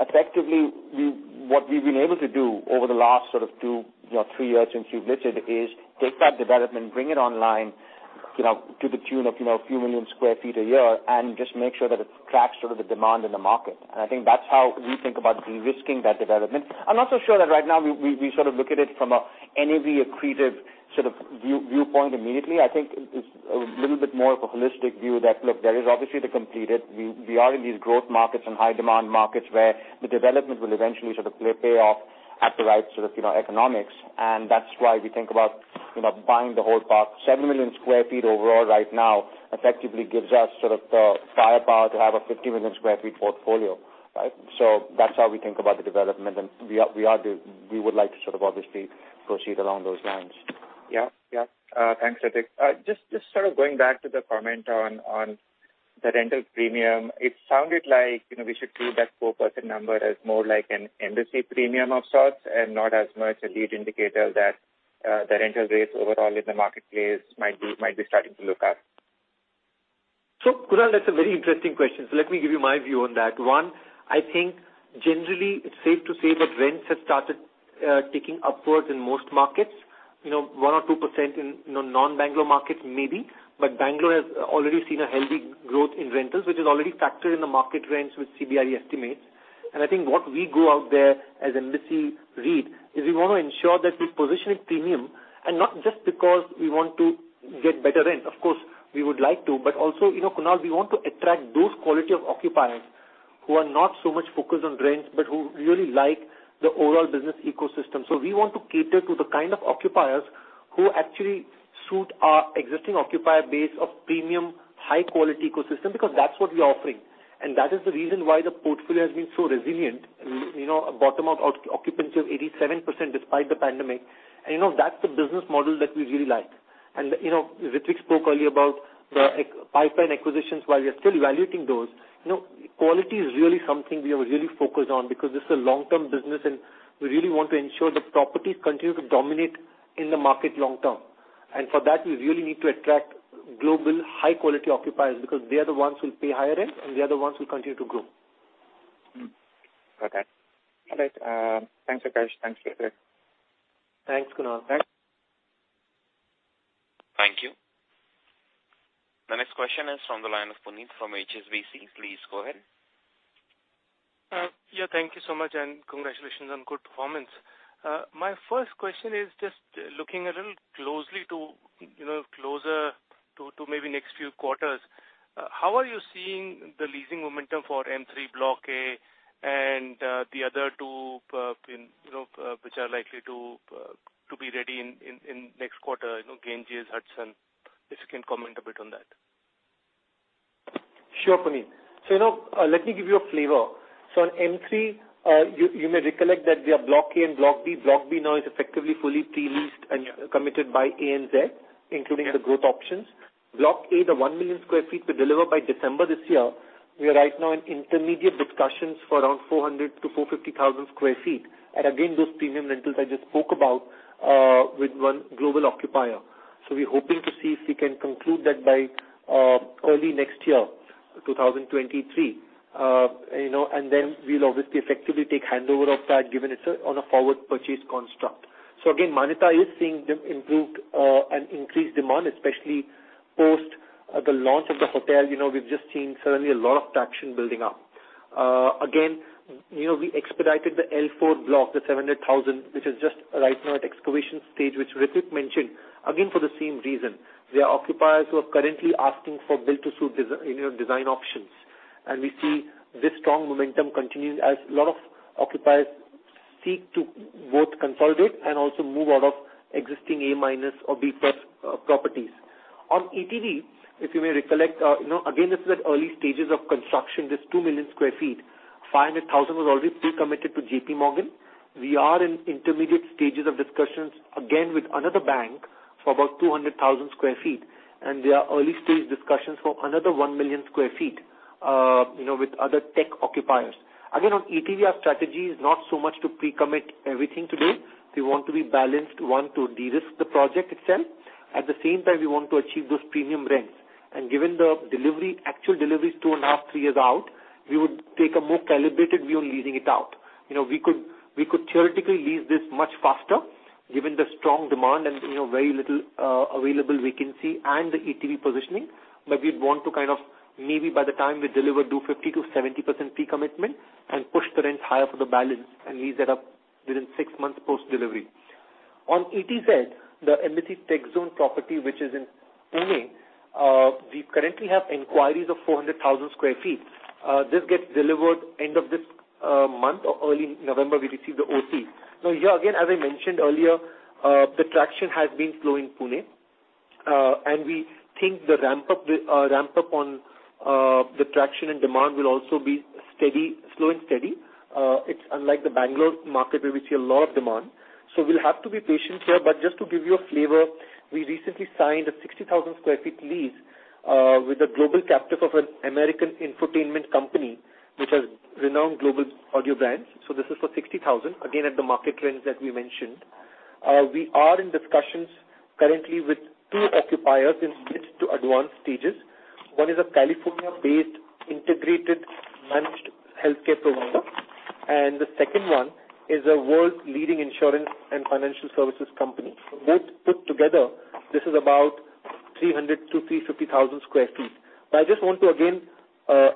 Effectively, what we've been able to do over the last sort of two, you know, three years since you've visited is take that development, bring it online, you know, to the tune of, you know, a few million square feet a year, and just make sure that it tracks sort of the demand in the market. I think that's how we think about de-risking that development. I'm not so sure that right now we sort of look at it from a NAV accretive sort of viewpoint immediately. I think it's a little bit more of a holistic view that look, there is obviously the completed. We are in these growth markets and high demand markets where the development will eventually sort of pay off at the right sort of, you know, economics. That's why we think about, you know, buying the whole park. 7 million sq ft overall right now effectively gives us sort of the firepower to have a 50 million sq ft portfolio, right? That's how we think about the development. We would like to sort of obviously proceed along those lines. Yeah. Thanks, Ritwik. Just sort of going back to the comment on the rental premium. It sounded like, you know, we should view that 4% number as more like an Embassy premium of sorts, and not as much a lead indicator that the rental rates overall in the marketplace might be starting to look up. Kunal, that's a very interesting question. Let me give you my view on that. One, I think generally it's safe to say that rents have started ticking upwards in most markets. You know, 1%-2% in, you know, non-Bangalore markets maybe. Bangalore has already seen a healthy growth in rentals, which is already factored in the market rents with CBRE estimates. I think what we go out there as Embassy REIT, is we wanna ensure that we position it premium and not just because we want to get better rent. Of course, we would like to, but also, you know, Kunal, we want to attract those quality of occupiers who are not so much focused on rents, but who really like the overall business ecosystem. We want to cater to the kind of occupiers who actually suit our existing occupier base of premium high quality ecosystem, because that's what we're offering. That is the reason why the portfolio has been so resilient. You know, a bottom of occupancy of 87% despite the pandemic. You know, that's the business model that we really like. You know, Ritwik spoke earlier about the pipeline acquisitions, while we are still evaluating those. You know, quality is really something we are really focused on because this is a long-term business, and we really want to ensure the properties continue to dominate in the market long term. For that, we really need to attract global high quality occupiers because they are the ones who pay higher rent, and they are the ones who continue to grow. Okay. All right. Thanks, Vikaash. Thanks, Ritwik. Thanks, Kunal. Thanks. Thank you. The next question is from the line of Puneet from HSBC. Please go ahead. Yeah, thank you so much, and congratulations on good performance. My first question is just looking a little closer to maybe next few quarters. How are you seeing the leasing momentum for M3 Block A and the other two, you know, which are likely to be ready in next quarter, you know, Ganges, Hudson? If you can comment a bit on that. Sure, Puneet. You know, let me give you a flavor. On M3, you may recollect that we have Block A and Block B. Block B now is effectively fully pre-leased and committed by ANZ, including the growth options. Block A, the 1 million sq ft to deliver by December this year. We are right now in intermediate discussions for around 400,000-450,000 sq ft. Again, those premium rentals I just spoke about with one global occupier. We're hoping to see if we can conclude that by early next year, 2023. You know, then we'll obviously effectively take handover of that, given it's on a forward purchase construct. Again, Manyata is seeing them improved and increased demand, especially post the launch of the hotel. You know, we've just seen certainly a lot of traction building up. Again, you know, we expedited the L4 block, the 700,000, which is just right now at excavation stage, which Ritwik mentioned, again for the same reason. There are occupiers who are currently asking for build to suit design options. We see this strong momentum continuing as a lot of occupiers seek to both consolidate and also move out of existing A- or B+ properties. On ETV, if you may recollect, you know, again, this is at early stages of construction. This 2 million sq ft, 500,000 was already pre-committed to J.P. Morgan. We are in intermediate stages of discussions again with another bank for about 200,000 sq ft. There are early stage discussions for another 1 million sq ft, you know, with other tech occupiers. Again, on ETV, our strategy is not so much to pre-commit everything today. We want to be balanced, one, to de-risk the project itself. At the same time, we want to achieve those premium rents. Given the delivery, actual delivery is 2.5-3 years out, we would take a more calibrated view on leasing it out. You know, we could theoretically lease this much faster given the strong demand and, you know, very little available vacancy and the ETV positioning. We'd want to kind of maybe by the time we deliver do 50%-70% pre-commitment and push the rents higher for the balance and lease that up within six months post-delivery. On ETZ, the Embassy TechZone property, which is in Pune, we currently have inquiries of 400,000 sq ft. This gets delivered end of this month or early November, we receive the OC. Now, here again, as I mentioned earlier, the traction has been slow in Pune. We think the ramp up on the traction and demand will also be steady, slow and steady. It's unlike the Bangalore market where we see a lot of demand. We'll have to be patient here. Just to give you a flavor, we recently signed a 60,000 sq ft lease with a global captive of an American infotainment company, which has renowned global audio brands. This is for 60,000, again at the market trends that we mentioned. We are in discussions currently with two occupiers in pitch to advanced stages. One is a California-based integrated managed healthcare provider, and the second one is a world-leading insurance and financial services company. Both put together, this is about 300,000 to 350,000 sq ft. I just want to again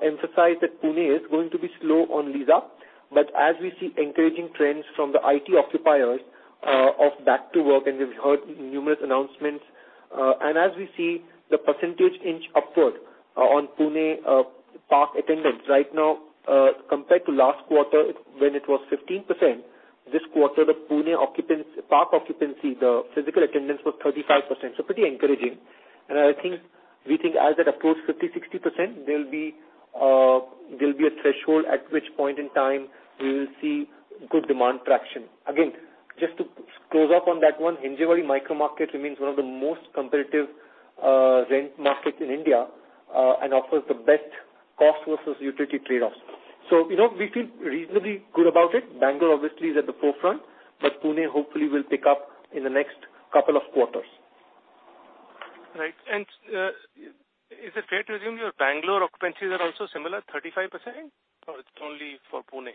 emphasize that Pune is going to be slow on lease-up. As we see encouraging trends from the IT occupiers of back to work, and we've heard numerous announcements. As we see the percentage inching upward on Pune park attendance. Right now, compared to last quarter when it was 15%, this quarter the Pune park occupancy, the physical attendance was 35%, so pretty encouraging. I think we think as it approaches 50%-60%, there'll be a threshold at which point in time we will see good demand traction. Again, just to close off on that one, Hinjewadi micro market remains one of the most competitive rent markets in India, and offers the best cost versus utility trade-offs. You know, we feel reasonably good about it. Bangalore obviously is at the forefront, but Pune hopefully will pick up in the next couple of quarters. Right. Is it fair to assume your Bangalore occupancies are also similar, 35%? Or it's only for Pune?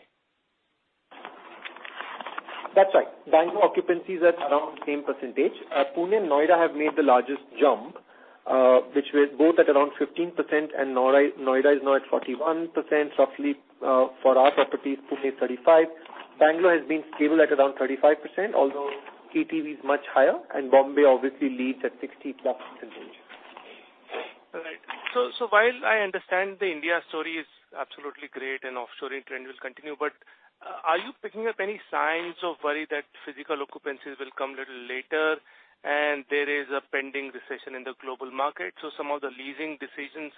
That's right. Bangalore occupancy is at around the same percentage. Pune and Noida have made the largest jump, which was both at around 15%, and Noida is now at 41%, roughly, for our properties, Pune is 35%. Bangalore has been stable at around 35%, although ETV is much higher and Bombay obviously leads at +60%. All right. While I understand the India story is absolutely great and offshoring trend will continue, but are you picking up any signs of worry that physical occupancies will come a little later and there is a pending recession in the global market, so some of the leasing decisions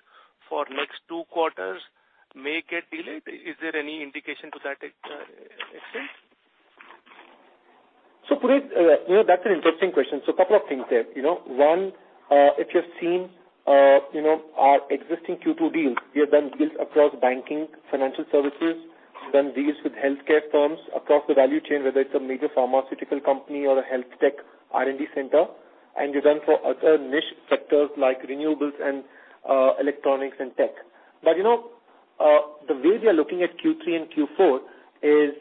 for next two quarters may get delayed? Is there any indication to that extent? Puneet, you know, that's an interesting question. A couple of things there. You know, one, if you've seen, you know, our existing Q2 deals, we have done deals across banking, financial services. We've done deals with healthcare firms across the value chain, whether it's a major pharmaceutical company or a health tech R&D center. We've done for other niche sectors like renewables and electronics and tech. You know, the way we are looking at Q3 and Q4 is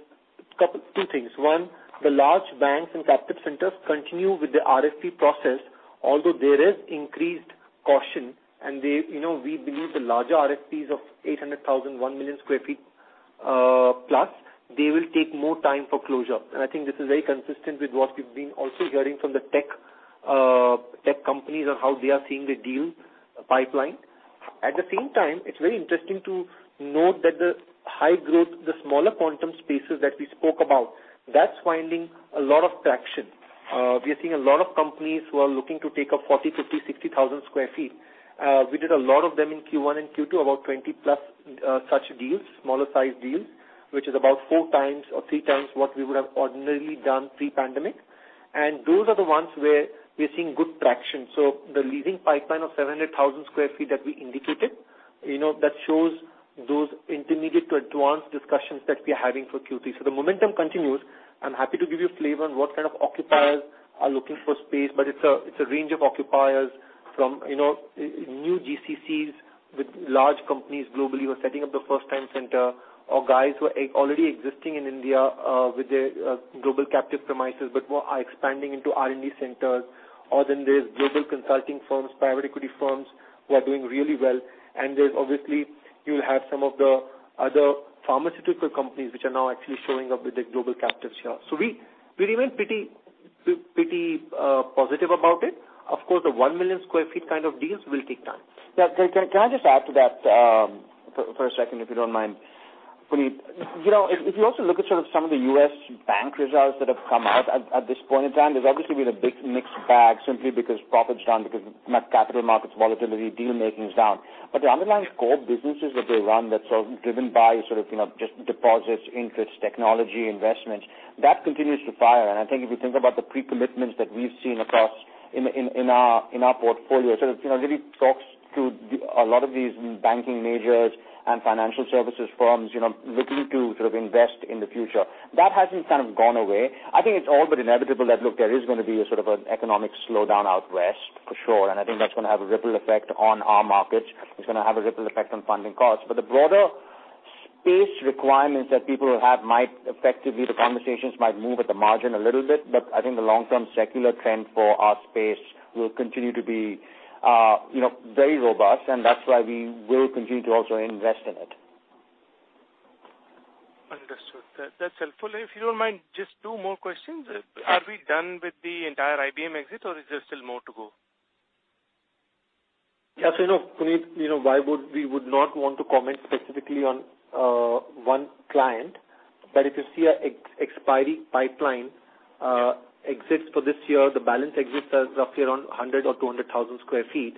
two things. One, the large banks and captive centers continue with the RFP process, although there is increased caution and they, you know, we believe the larger RFPs of 800,000 to +1,000,000 sq ft, they will take more time for closure. I think this is very consistent with what we've been also hearing from the tech companies on how they are seeing the deal pipeline. At the same time, it's very interesting to note that the high growth, the smaller quantum spaces that we spoke about, that's finding a lot of traction. We are seeing a lot of companies who are looking to take up 40,000, 50,000, 60,000 sq ft. We did a lot of them in Q1 and Q2, about 20+ such deals, smaller sized deals, which is about 4x or 3x what we would have ordinarily done pre-pandemic. Those are the ones where we are seeing good traction. The leasing pipeline of 700,000 sq ft that we indicated, you know, that shows those intermediate to advanced discussions that we are having for Q3. The momentum continues. I'm happy to give you a flavor on what kind of occupiers are looking for space, but it's a range of occupiers from, you know, new GCCs with large companies globally who are setting up their first time center or guys who are already existing in India with their global captive premises but who are expanding into R&D centers. Or then there's global consulting firms, private equity firms who are doing really well. There's obviously you'll have some of the other pharmaceutical companies which are now actually showing up with their global captives here. We remain pretty positive about it. Of course, the 1 million sq ft kind of deals will take time. Yeah. Can I just add to that, for a second, if you don't mind, Puneet? You know, if you also look at sort of some of the U.S. bank results that have come out at this point in time, there's obviously been a big mixed bag simply because profits are down, because capital markets volatility, deal making is down. The underlying core businesses that they run that's sort of driven by sort of, you know, just deposits, interest, technology, investments, that continues to fire. I think if you think about the pre-commitments that we've seen across in our portfolio, sort of, you know, really talks to the, a lot of these banking majors and financial services firms, you know, looking to sort of invest in the future. That hasn't kind of gone away. I think it's all but inevitable that, look, there is gonna be a sort of an economic slowdown out west for sure, and I think that's gonna have a ripple effect on our markets. It's gonna have a ripple effect on funding costs. The broader space requirements that people have might effectively, the conversations might move at the margin a little bit, but I think the long term secular trend for our space will continue to be, you know, very robust, and that's why we will continue to also invest in it. Understood. That's helpful. If you don't mind, just two more questions. Are we done with the entire IBM exit or is there still more to go? You know, Puneet, you know, why we would not want to comment specifically on one client. If you see our expiry pipeline, exits for this year, the balance exits are roughly around 100,000-200,000 sq ft.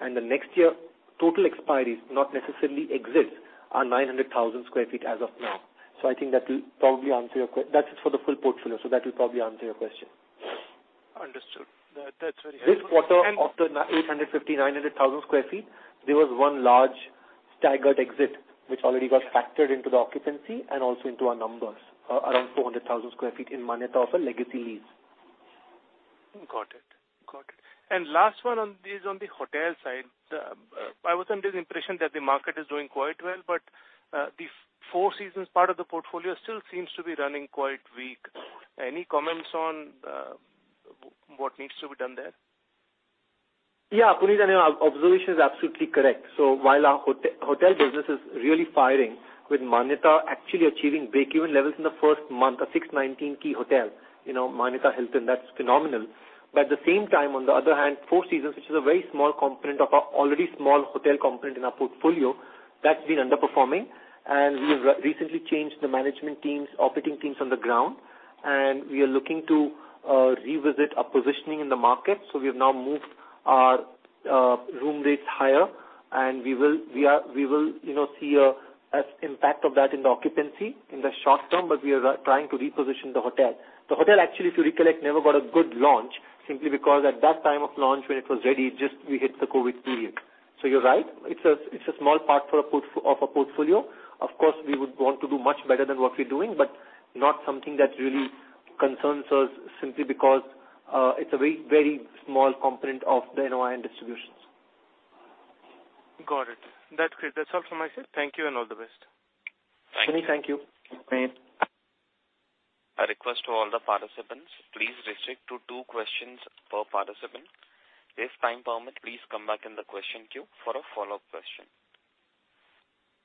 The next year, total expiries, not necessarily exits, are 900,000 sq ft as of now. I think that will probably answer your question. That's for the full portfolio. That will probably answer your question. Understood. That's very helpful. This quarter, of the 850,000-900,000 sq ft, there was one large staggered exit which already got factored into the occupancy and also into our numbers, around 400,000 sq ft in Manyata of a legacy lease. Got it. Last one on this, on the hotel side. I was under the impression that the market is doing quite well, but the Four Seasons part of the portfolio still seems to be running quite weak. Any comments on what needs to be done there? Yeah, Puneet, your observation is absolutely correct. While our hotel business is really firing with Manyata actually achieving break-even levels in the first month of 619-key hotel, you know, Manyata Hilton, that's phenomenal. At the same time, on the other hand, Four Seasons, which is a very small component of our already small hotel component in our portfolio, that's been underperforming. We have recently changed the management teams, operating teams on the ground, and we are looking to revisit our positioning in the market. We have now moved our room rates higher, and we will, you know, see an impact of that in the occupancy in the short term, but we are trying to reposition the hotel. The hotel actually, if you recollect, never got a good launch simply because at that time of launch, when it was ready, just we hit the COVID period. You're right. It's a, it's a small part of a portfolio. Of course, we would want to do much better than what we're doing, but not something that really concerns us simply because it's a very, very small component of the NOI and distributions. Got it. That's great. That's all from my side. Thank you and all the best. Puneet, thank you. Thank you. A request to all the participants. Please restrict to two questions per participant. If time permit, please come back in the question queue for a follow-up question.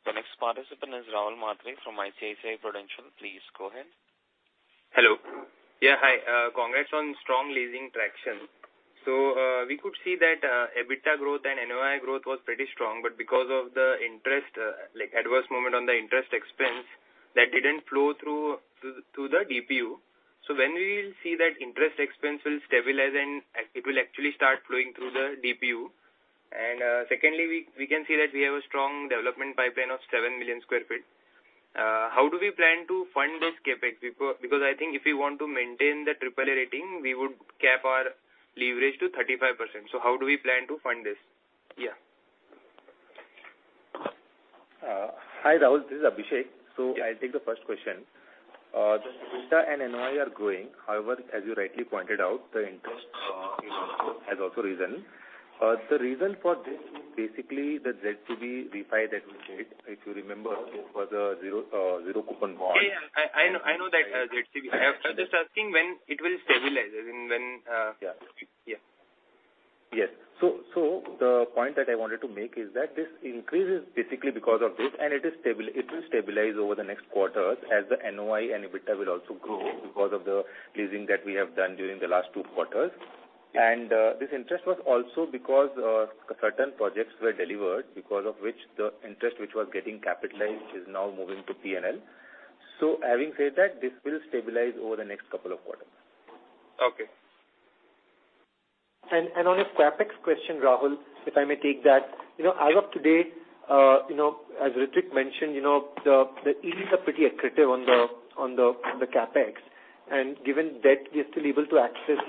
The next participant is Rahul Mhatre from ICICI Prudential. Please go ahead. Congrats on strong leasing traction. We could see that EBITDA growth and NOI growth was pretty strong, but because of the interest, like adverse movement on the interest expense, that didn't flow through the DPU. When will we see that interest expense will stabilize and it will actually start flowing through the DPU? Secondly, we can see that we have a strong development pipeline of 7 million sq ft. How do we plan to fund this CapEx? Because I think if we want to maintain the triple A rating, we would cap our leverage to 35%. How do we plan to fund this? Yeah. Hi, Rahul Mhatre. This is Abhishek. I take the first question. The EBITDA and NOI are growing. However, as you rightly pointed out, the interest has also risen. The reason for this is basically the ZCB refi that we did. If you remember, it was a zero coupon bond. Yeah. I know that, ZCB. I was just asking when it will stabilize and when-- Yes. The point that I wanted to make is that this increase is basically because of this, and it will stabilize over the next quarters as the NOI and EBITDA will also grow because of the leasing that we have done during the last two quarters. This interest was also because certain projects were delivered because of which the interest which was getting capitalized is now moving to P&L. Having said that, this will stabilize over the next couple of quarters. Okay. On a CapEx question, Rahul, if I may take that. You know, as of today, you know, as Ritwik mentioned, you know, the yields are pretty accretive on the CapEx. Given debt, we are still able to access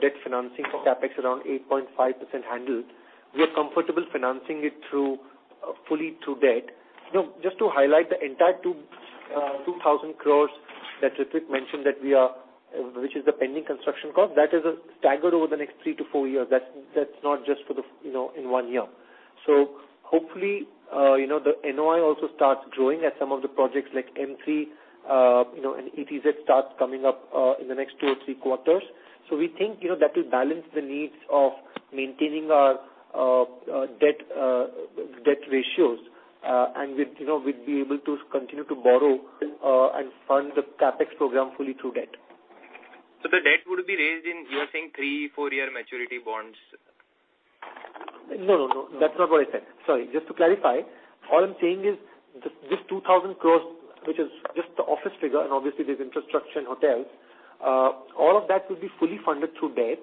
debt financing for CapEx around 8.5% handle. We are comfortable financing it through fully through debt. You know, just to highlight the entire 2,000 crore that Ritwik mentioned that we are, which is the pending construction cost, that is staggered over the next three-four years. That's not just you know, in one year. Hopefully, you know, the NOI also starts growing as some of the projects like M3, you know, and ETZ starts coming up in the next two or three quarters. We think, you know, that will balance the needs of maintaining our debt ratios, and with, you know, we'd be able to continue to borrow and fund the CapEx program fully through debt. The debt would be raised in, you are saying three-four year maturity bonds? No, no. That's not what I said. Sorry. Just to clarify, all I'm saying is this 2,000 crores, which is just the office figure, and obviously there's infrastructure and hotels, all of that will be fully funded through debt.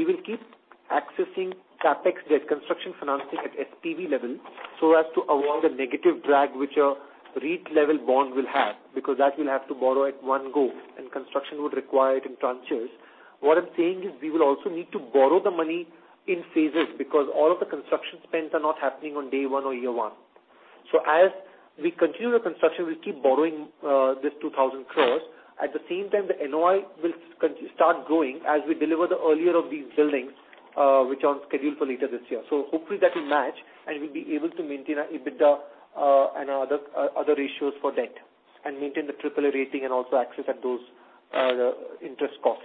We will keep accessing CapEx debt construction financing at SPV level so as to avoid the negative drag which a REIT level bond will have, because that will have to borrow at one go, and construction would require it in tranches. What I'm saying is we will also need to borrow the money in phases because all of the construction spends are not happening on day one or year one. As we continue the construction, we'll keep borrowing this 2,000 crores. At the same time, the NOI will start growing as we deliver the earlier of these buildings, which are on schedule for later this year. Hopefully that will match, and we'll be able to maintain our EBITDA, and our other ratios for debt and maintain the triple-A rating and also access at those interest costs.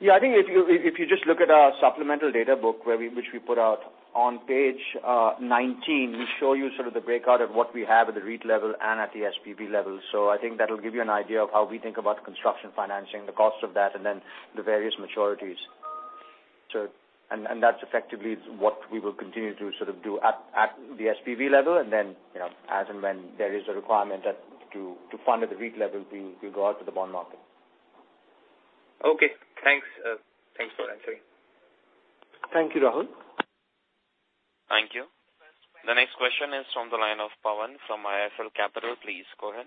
Yeah, I think if you just look at our supplemental data book which we put out, on page 19, we show you sort of the breakout of what we have at the REIT level and at the SPV level. I think that'll give you an idea of how we think about construction financing, the cost of that, and then the various maturities. That's effectively what we will continue to sort of do at the SPV level, and then, you know, as and when there is a requirement to fund at the REIT level, we go out to the bond market. Okay, thanks. Thanks for answering. Thank you, Rahul. Thank you. The next question is from the line of Pawan from IIFL Capital. Please go ahead.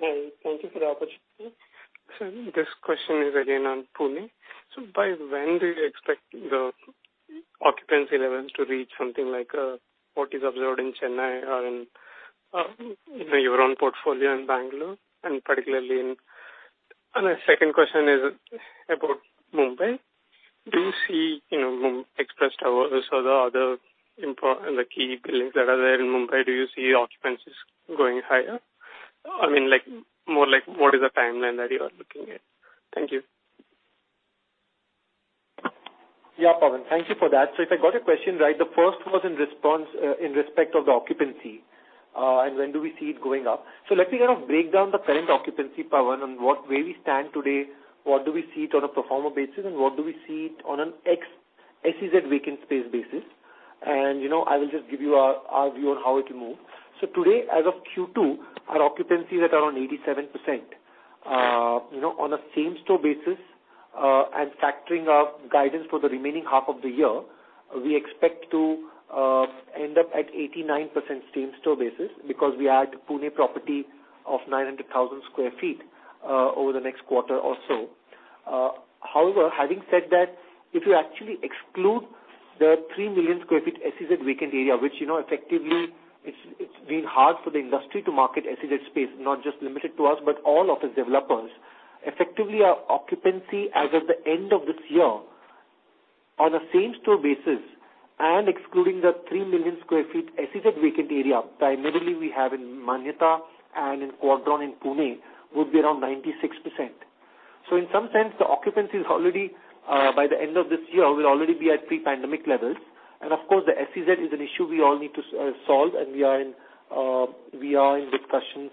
Hi. Thank you for the opportunity. This question is again on Pune. By when do you expect the occupancy levels to reach something like what is observed in Chennai or in your own portfolio in Bangalore? The second question is about Mumbai. Do you see, you know, Express Towers or the other key buildings that are there in Mumbai, do you see occupancies going higher? I mean, like, more like what is the timeline that you are looking at? Thank you. Yeah, Pawan. Thank you for that. If I got your question right, the first was in response in respect of the occupancy and when do we see it going up. Let me kind of break down the current occupancy, Pawan, and where we stand today, what do we see it on a pro forma basis, and what do we see it on an ex-SEZ vacant space basis. You know, I will just give you our view on how it will move. Today, as of Q2, our occupancy is at around 87%. You know, on a same-store basis, and factoring our guidance for the remaining half of the year, we expect to end up at 89% same-store basis because we add Pune property of 900,000 sq ft over the next quarter or so. However, having said that, if you actually exclude the 3 million sq ft SEZ vacant area, which, you know, effectively it's been hard for the industry to market SEZ space, not just limited to us, but all office developers. Effectively, our occupancy as of the end of this year on a same-store basis and excluding the 3 million sq ft SEZ vacant area, primarily we have in Manyata and in Quadron in Pune, would be around 96%. In some sense, the occupancy is already, by the end of this year, will already be at pre-pandemic levels. Of course, the SEZ is an issue we all need to solve, and we are in discussions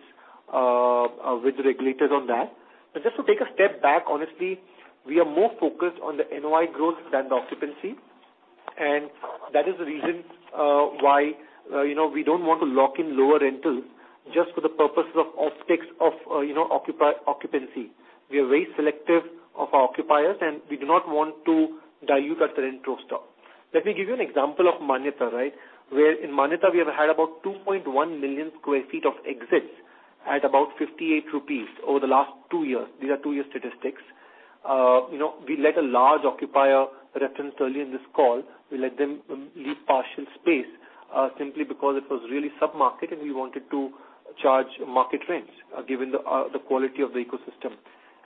with the regulators on that. Just to take a step back, honestly, we are more focused on the NOI growth than the occupancy. That is the reason why you know we don't want to lock in lower rentals just for the purposes of optics of you know occupancy. We are very selective of our occupiers, and we do not want to dilute our current roster. Let me give you an example of Manyata right? Where in Manyata we have had about 2.1 million sq ft of exits at about 58 rupees over the last two years. These are two-year statistics. You know we let a large occupier referenced earlier in this call we let them leave partial space simply because it was really sub-market and we wanted to charge market rents given the quality of the ecosystem.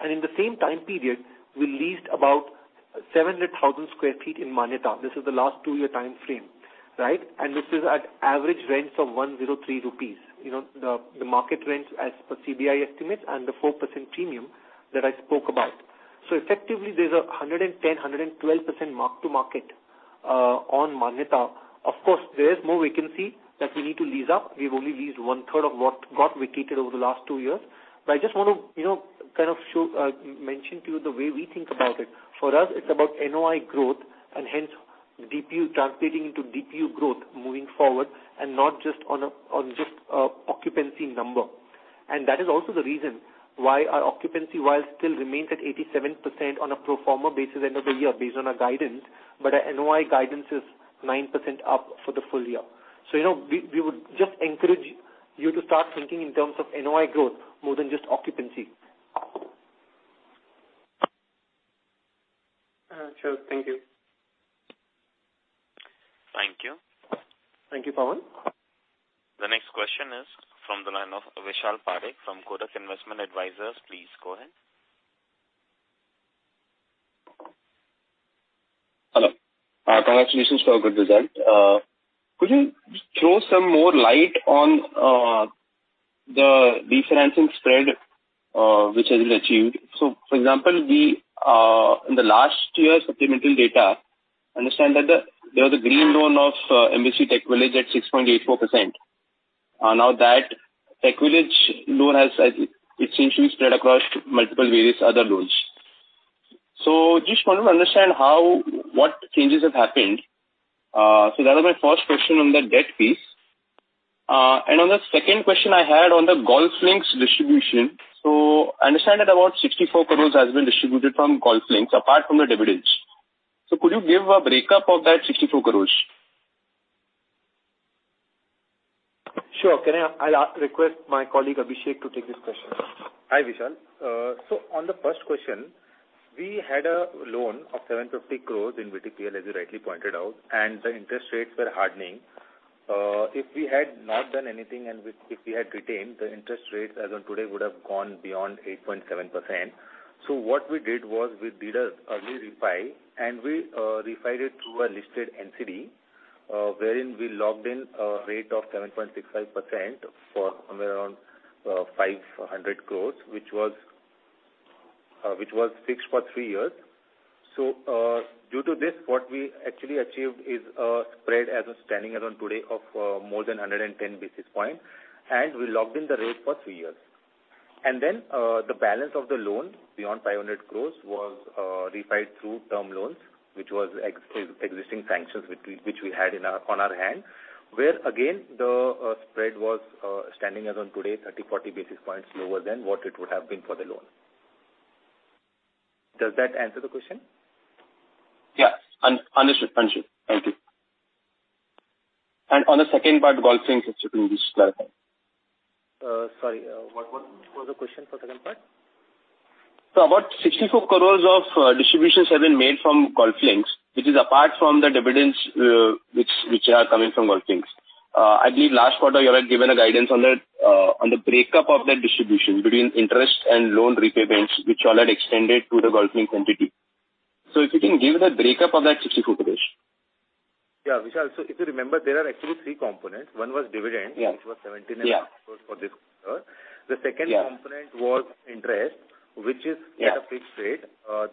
In the same time period, we leased about 700,000 sq ft in Manyata. This is the last two-year timeframe right? This is at average rents of 103 rupees. You know, the market rents as per CBRE estimates and the 4% premium that I spoke about. Effectively, there's 110%-112% mark-to-market on Manyata. Of course, there is more vacancy that we need to lease up. We've only leased 1/3 of what got vacated over the last two years. I just want to, you know, kind of show mention to you the way we think about it. For us, it's about NOI growth and hence DPU translating into DPU growth moving forward and not just on just occupancy number. that is also the reason why our occupancy while still remains at 87% on a pro forma basis end of the year based on our guidance, but our NOI guidance is 9% up for the full year. You know, we would just encourage you to start thinking in terms of NOI growth more than just occupancy. Sure. Thank you. Thank you. Thank you, Pawan. The next question is from the line of Vishal Parekh from Kotak Investment Advisors. Please go ahead. Hello. Congratulations for a good result. Could you throw some more light on the refinancing spread which has been achieved? For example, in the last year supplemental data, I understand that there was a green loan of Embassy TechVillage at 6.84%. Now that TechVillage loan has, it seems to be spread across multiple various other loans. Just wanted to understand how what changes have happened. That was my first question on the debt piece. On the second question I had on the Golf Links distribution. I understand that about 64 crores has been distributed from Golf Links apart from the dividends. Could you give a breakup of that 64 crores? Sure. I'll request my colleague Abhishek to take this question. Hi, Vishal. On the first question, we had a loan of 750 crores in BTPL, as you rightly pointed out, and the interest rates were hardening. If we had not done anything, if we had retained, the interest rates as on today would have gone beyond 8.7%. What we did was we did an early refi, and we refinanced it through a listed NCD, wherein we locked in a rate of 7.65% for somewhere around 500 crores, which was fixed for three years. Due to this, what we actually achieved is a spread as of today of more than 110 basis points, and we locked in the rate for three years. The balance of the loan beyond 500 crores was refinanced through term loans, which was existing sanctions which we had on hand, where again the spread was standing as on today 30-40 basis points lower than what it would have been for the loan. Does that answer the question? Yeah. Understood. Thank you. On the second part, Golf Links distribution clarify. Sorry, what was the question for the second part? About 64 crores of distributions have been made from Golf Links, which is apart from the dividends which are coming from Golf Links. I believe last quarter you had given a guidance on the breakup of that distribution between interest and loan repayments which you all had extended to the Golf Link entity. If you can give the breakup of that 64 crores. Yeah, Vishal. If you remember, there are actually three components. One was dividend which was 17.5 crore and for this quarter. The second component was interest, which is at a fixed rate.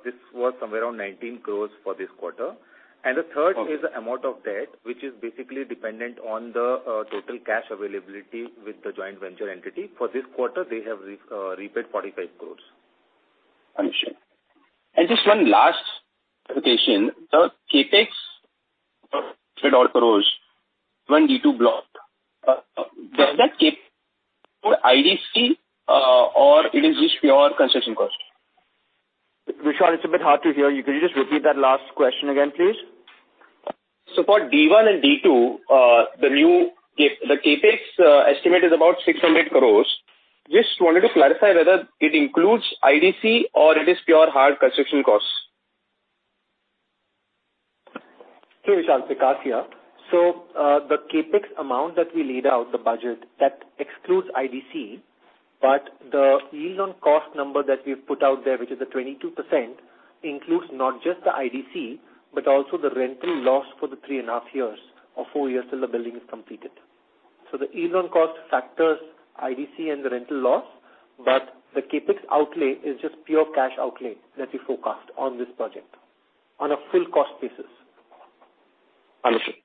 This was somewhere around 19 crore for this quarter. The third is the amount of debt, which is basically dependent on the total cash availability with the joint venture entity. For this quarter, they have repaid 45 crore. Understood. Just one last question. The CapEx crores when D2 blocked. Does that keep IDC, or it is just pure construction cost? Vishal, it's a bit hard to hear you. Could you just repeat that last question again, please? For D1 and D2, the new CapEx estimate is about 600 crores. Just wanted to clarify whether it includes IDC or it is pure hard construction costs. Sure, Vishal. Vikaash here. The CapEx amount that we laid out, the budget, that excludes IDC. The yield on cost number that we've put out there, which is the 22%, includes not just the IDC, but also the rental loss for the 3.5 years or 4 years 'til the building is completed. The yield on cost factors IDC and the rental loss, but the CapEx outlay is just pure cash outlay that we forecast on this project on a full cost basis. Understood.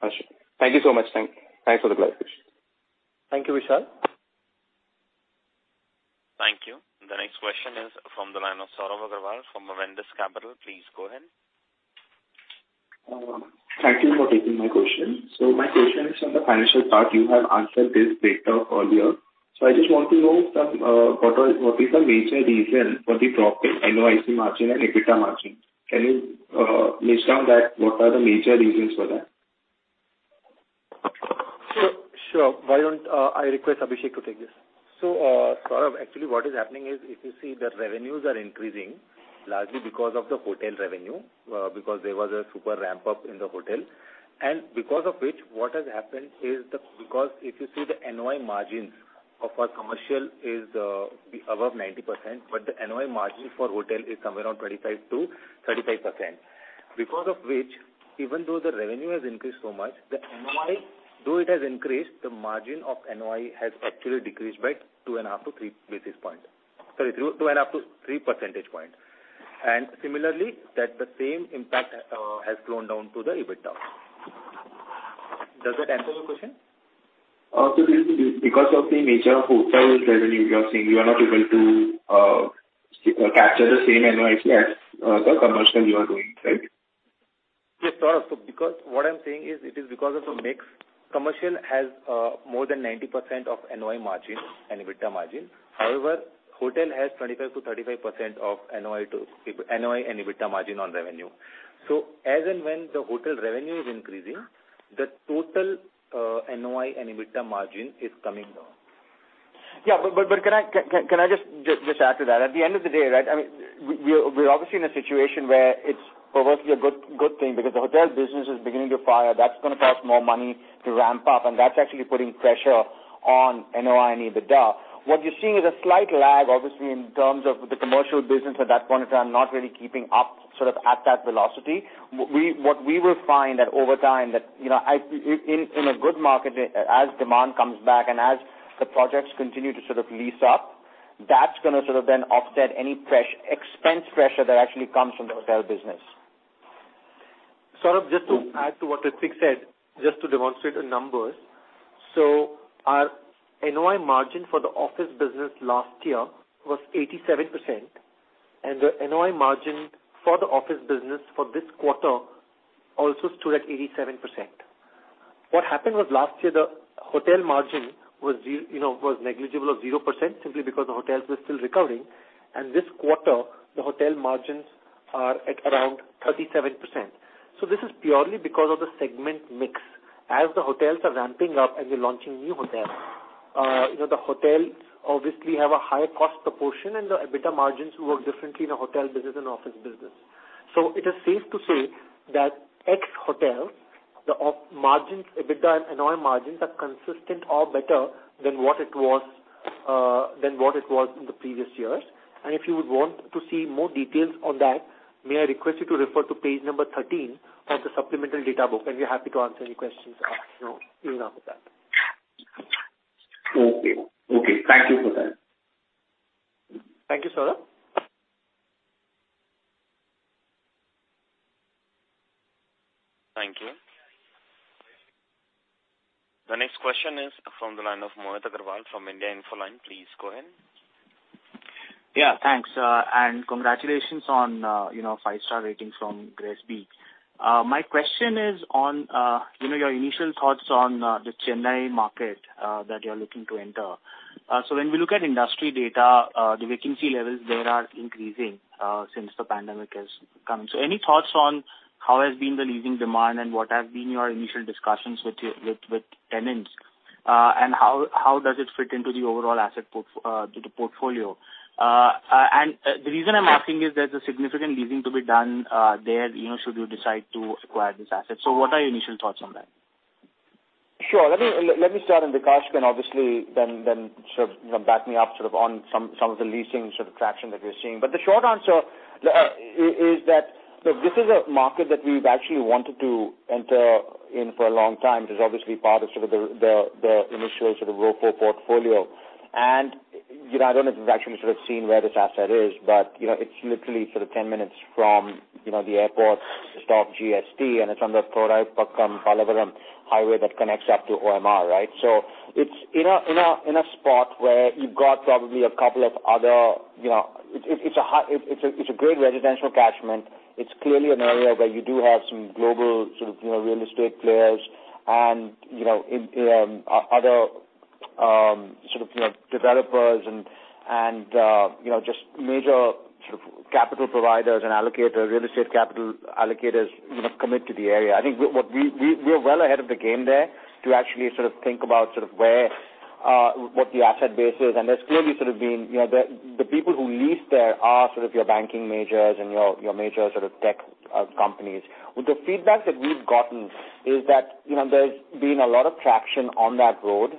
Thank you so much. Thanks for the clarification. Thank you, Vishal. Thank you. The next question is from the line of Saurav Agarwal from Avendus Capital. Please go ahead. Thank you for taking my question. My question is on the financial part. You have answered this bit earlier. I just want to know what is the major reason for the drop in NOI margin and EBITDA margin. Can you list down what are the major reasons for that? Sure. Why don't I request Abhishek to take this. Saurav, actually what is happening is if you see the revenues are increasing largely because of the hotel revenue, because there was a super ramp-up in the hotel. Because of which, what has happened is the Because if you see the NOI margins of our commercial is above 90%, but the NOI margin for hotel is somewhere around 25%-35%. Because of which, even though the revenue has increased so much, the NOI, though it has increased, the margin of NOI has actually decreased by 2.5-3 basis points. Sorry, 2.5-3 percentage points. Similarly, that the same impact has flowed down to the EBITDA. Does that answer your question? This is because of the nature of hotel revenue, you're saying you are not able to capture the same NOI as the commercial you are doing, right? Yes, Saurav. Because what I'm saying is it is because of the mix. Commercial has more than 90% NOI margin and EBITDA margin. However, hotel has 25%-35% NOI and EBITDA margin on revenue. As and when the hotel revenue is increasing, the total NOI and EBITDA margin is coming down. Yeah. Can I just add to that? At the end of the day, right, I mean, we're obviously in a situation where it's perversely a good thing because the hotel business is beginning to fire. That's gonna cost more money to ramp up, and that's actually putting pressure on NOI and EBITDA. What you're seeing is a slight lag, obviously, in terms of the commercial business at that point in time, not really keeping up sort of at that velocity. What we will find that over time, you know, in a good market, as demand comes back and as the projects continue to sort of lease up, that's gonna sort of then offset any expense pressure that actually comes from the hotel business. Saurav, just to add to what Ritwik said, just to demonstrate the numbers. Our NOI margin for the office business last year was 87%, and the NOI margin for the office business for this quarter also stood at 87%. What happened was last year the hotel margin was, you know, negligible or 0% simply because the hotels were still recovering. This quarter, the hotel margins are at around 37%. This is purely because of the segment mix. As the hotels are ramping up and we're launching new hotels, you know, the hotels obviously have a higher cost proportion, and the EBITDA margins work differently in a hotel business and office business. It is safe to say that ex hotels, the op margins, EBITDA and NOI margins are consistent or better than what it was in the previous years. If you would want to see more details on that, may I request you to refer to page number 13 of the supplemental data book, and we're happy to answer any questions, you know, thereafter. Okay. Okay, thank you for that. Thank you, Saurav. Thank you. The next question is from the line of Mohit Agrawal from India Infoline. Please go ahead. Yeah, thanks. Congratulations on, you know, five-star rating from GRESB. My question is on, you know, your initial thoughts on, the Chennai market, that you're looking to enter. When we look at industry data, the vacancy levels there are increasing, since the pandemic has come. Any thoughts on how has been the leasing demand and what have been your initial discussions with tenants, and how does it fit into the overall asset portfolio? The reason I'm asking is there's a significant leasing to be done, there, you know, should you decide to acquire this asset. What are your initial thoughts on that? Sure. Let me start and Vikaash can obviously then sort of, you know, back me up sort of on some of the leasing sort of traction that we're seeing. The short answer is that, look, this is a market that we've actually wanted to enter in for a long time. It is obviously part of sort of the initial sort of ROFO portfolio. You know, I don't know if you've actually sort of seen where this asset is, but, you know, it's literally sort of 10 minutes from, you know, the airport to St. Thomas Mount, and it's on the Thoraipakkam-Pallavaram highway that connects up to OMR, right? It's in a spot where you've got probably a couple of other, you know. It's a great residential catchment. It's clearly an area where you do have some global sort of, you know, real estate players and, you know, in other sort of, you know, developers and you know, just major sort of capital providers and allocators, real estate capital allocators, you know, commit to the area. I think what we are well ahead of the game there to actually sort of think about sort of where what the asset base is. There's clearly sort of been, you know, the people who lease there are sort of your banking majors and your major sort of tech companies. With the feedback that we've gotten is that, you know, there's been a lot of traction on that road,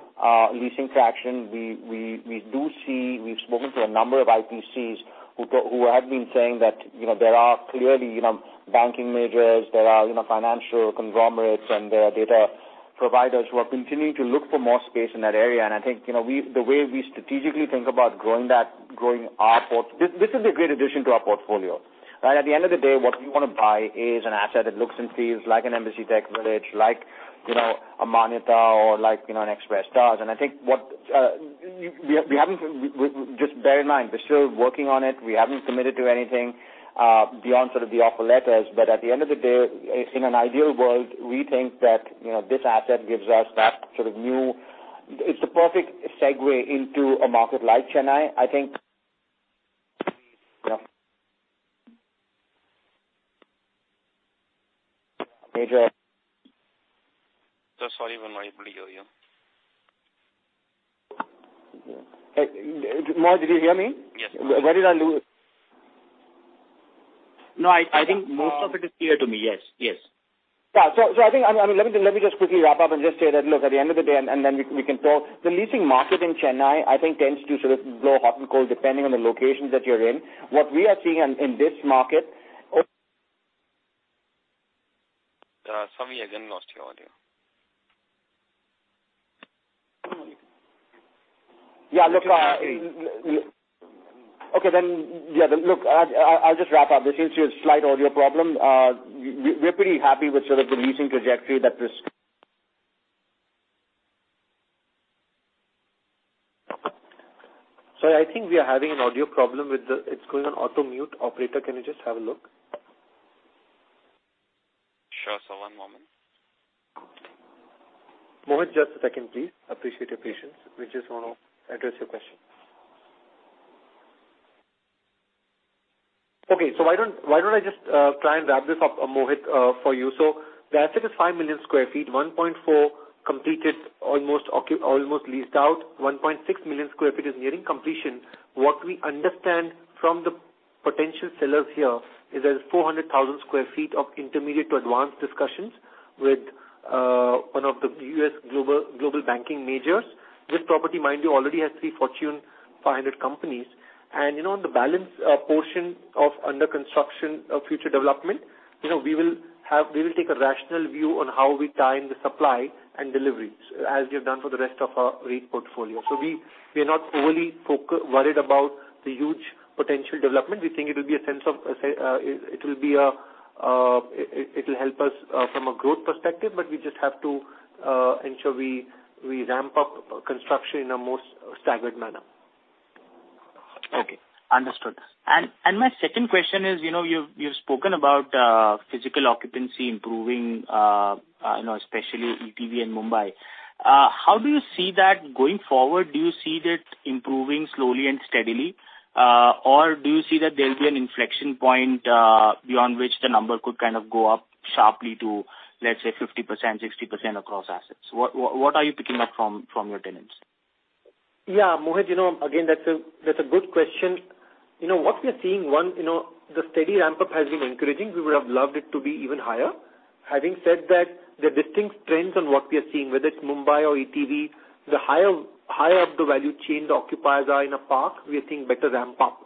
leasing traction. We do see, we've spoken to a number of IPCs who have been saying that, you know, there are clearly, you know, banking majors, there are, you know, financial conglomerates, and there are data providers who are continuing to look for more space in that area. I think, you know, the way we strategically think about growing that. This is a great addition to our portfolio, right? At the end of the day, what we wanna buy is an asset that looks and feels like an Embassy TechVillage, like, you know, Manyata or like, you know, an Express Towers. I think we haven't. Just bear in mind, we're still working on it. We haven't committed to anything beyond sort of the offer letters. At the end of the day, I think in an ideal world, we think that, you know, it's the perfect segue into a market like Chennai. Yeah. Sorry when I blew you. Hey, Mohit, did you hear me? Yes. Where did I lose-- No, I think most of it is clear to me. Yes. Yes. Yeah. I think, I mean, let me just quickly wrap up and just say that, look, at the end of the day, and then we can talk. The leasing market in Chennai, I think, tends to sort of blow hot and cold depending on the locations that you're in. What we are seeing in this market. Sorry, again, lost your audio. Yeah, look-- Can't hear you. Okay, yeah, then look, I'll just wrap up. There seems to be a slight audio problem. We're pretty happy with sort of the leasing trajectory that this Sorry, I think we are having an audio problem. It's going on auto mute. Operator, can you just have a look? Sure, sir. One moment. Mohit, just a second, please. Appreciate your patience. We just wanna address your question. Okay, why don't I just try and wrap this up, Mohit, for you. The asset is 5 million sq ft, 1.4 completed, almost leased out. 1.6 million sq ft is nearing completion. What we understand from the potential sellers here is there's 400,000 sq ft of intermediate to advanced discussions with one of the U.S. global banking majors. This property, mind you, already has three Fortune 500 companies. You know, on the balance portion of under construction of future development, you know, we will have. We will take a rational view on how we time the supply and deliveries, as we have done for the rest of our REIT portfolio. We are not overly worried about the huge potential development. We think it'll help us from a growth perspective, but we just have to ensure we ramp up construction in the most staggered manner. Okay, understood. My second question is, you know, you've spoken about physical occupancy improving, you know, especially ETV and Mumbai. How do you see that going forward? Do you see that improving slowly and steadily? Or do you see that there'll be an inflection point beyond which the number could kind of go up sharply to, let's say, 50%, 60% across assets? What are you picking up from your tenants? Mohit, you know, again, that's a good question. You know, what we are seeing, one, you know, the steady ramp up has been encouraging. We would have loved it to be even higher. Having said that, there are distinct trends on what we are seeing, whether it's Mumbai or ETV. The higher up the value chain the occupiers are in a park, we are seeing better ramp up.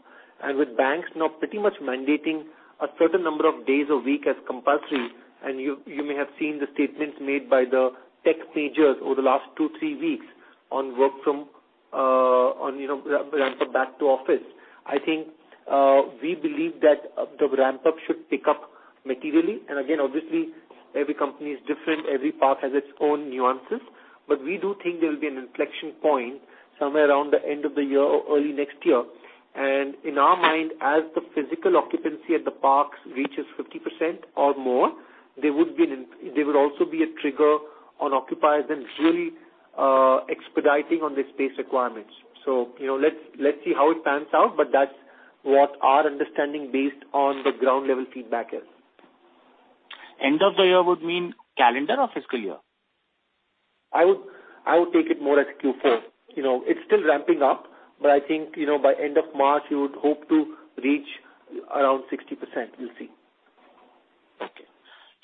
With banks now pretty much mandating a certain number of days a week as compulsory, and you may have seen the statements made by the tech majors over the last two-three weeks on work from home on ramp up back to office. I think we believe that the ramp up should pick up materially. Again, obviously, every company is different, every park has its own nuances. We do think there will be an inflection point somewhere around the end of the year or early next year. In our mind, as the physical occupancy at the parks reaches 50% or more, there will also be a trigger on occupiers and really, expediting on their space requirements. You know, let's see how it pans out, but that's what our understanding based on the ground level feedback is. End of the year would mean calendar or fiscal year? I would take it more as Q4. You know, it's still ramping up, but I think, you know, by end of March, you would hope to reach around 60%. We'll see. Okay.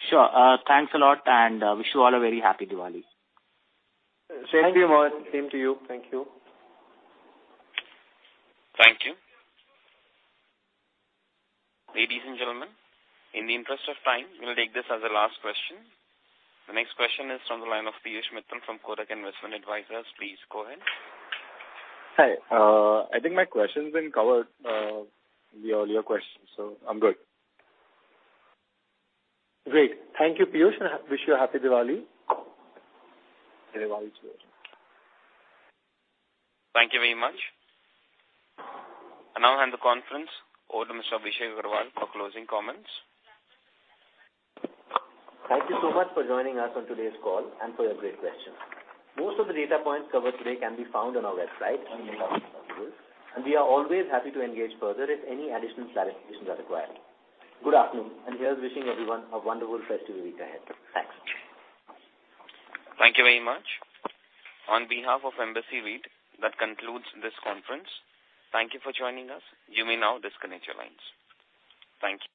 Sure. Thanks a lot, and wish you all a very Happy Diwali. Same to you, Mohit. Same to you. Thank you. Thank you. Ladies and gentlemen, in the interest of time, we'll take this as our last question. The next question is from the line of Piyush Mittal from Kotak Investment Advisors. Please go ahead. Hi. I think my question's been covered in the earlier questions, so I'm good. Great. Thank you, Piyush, and wish you a Happy Diwali. Happy Diwali to you as well. Thank you very much. I now hand the conference over to Mr. Abhishek Agrawal for closing comments. Thank you so much for joining us on today's call and for your great questions. Most of the data points covered today can be found on our website and may not be possible, and we are always happy to engage further if any additional clarifications are required. Good afternoon, and here's wishing everyone a wonderful festival week ahead. Thanks. Thank you very much. On behalf of Embassy REIT, that concludes this conference. Thank you for joining us. You may now disconnect your lines. Thank you.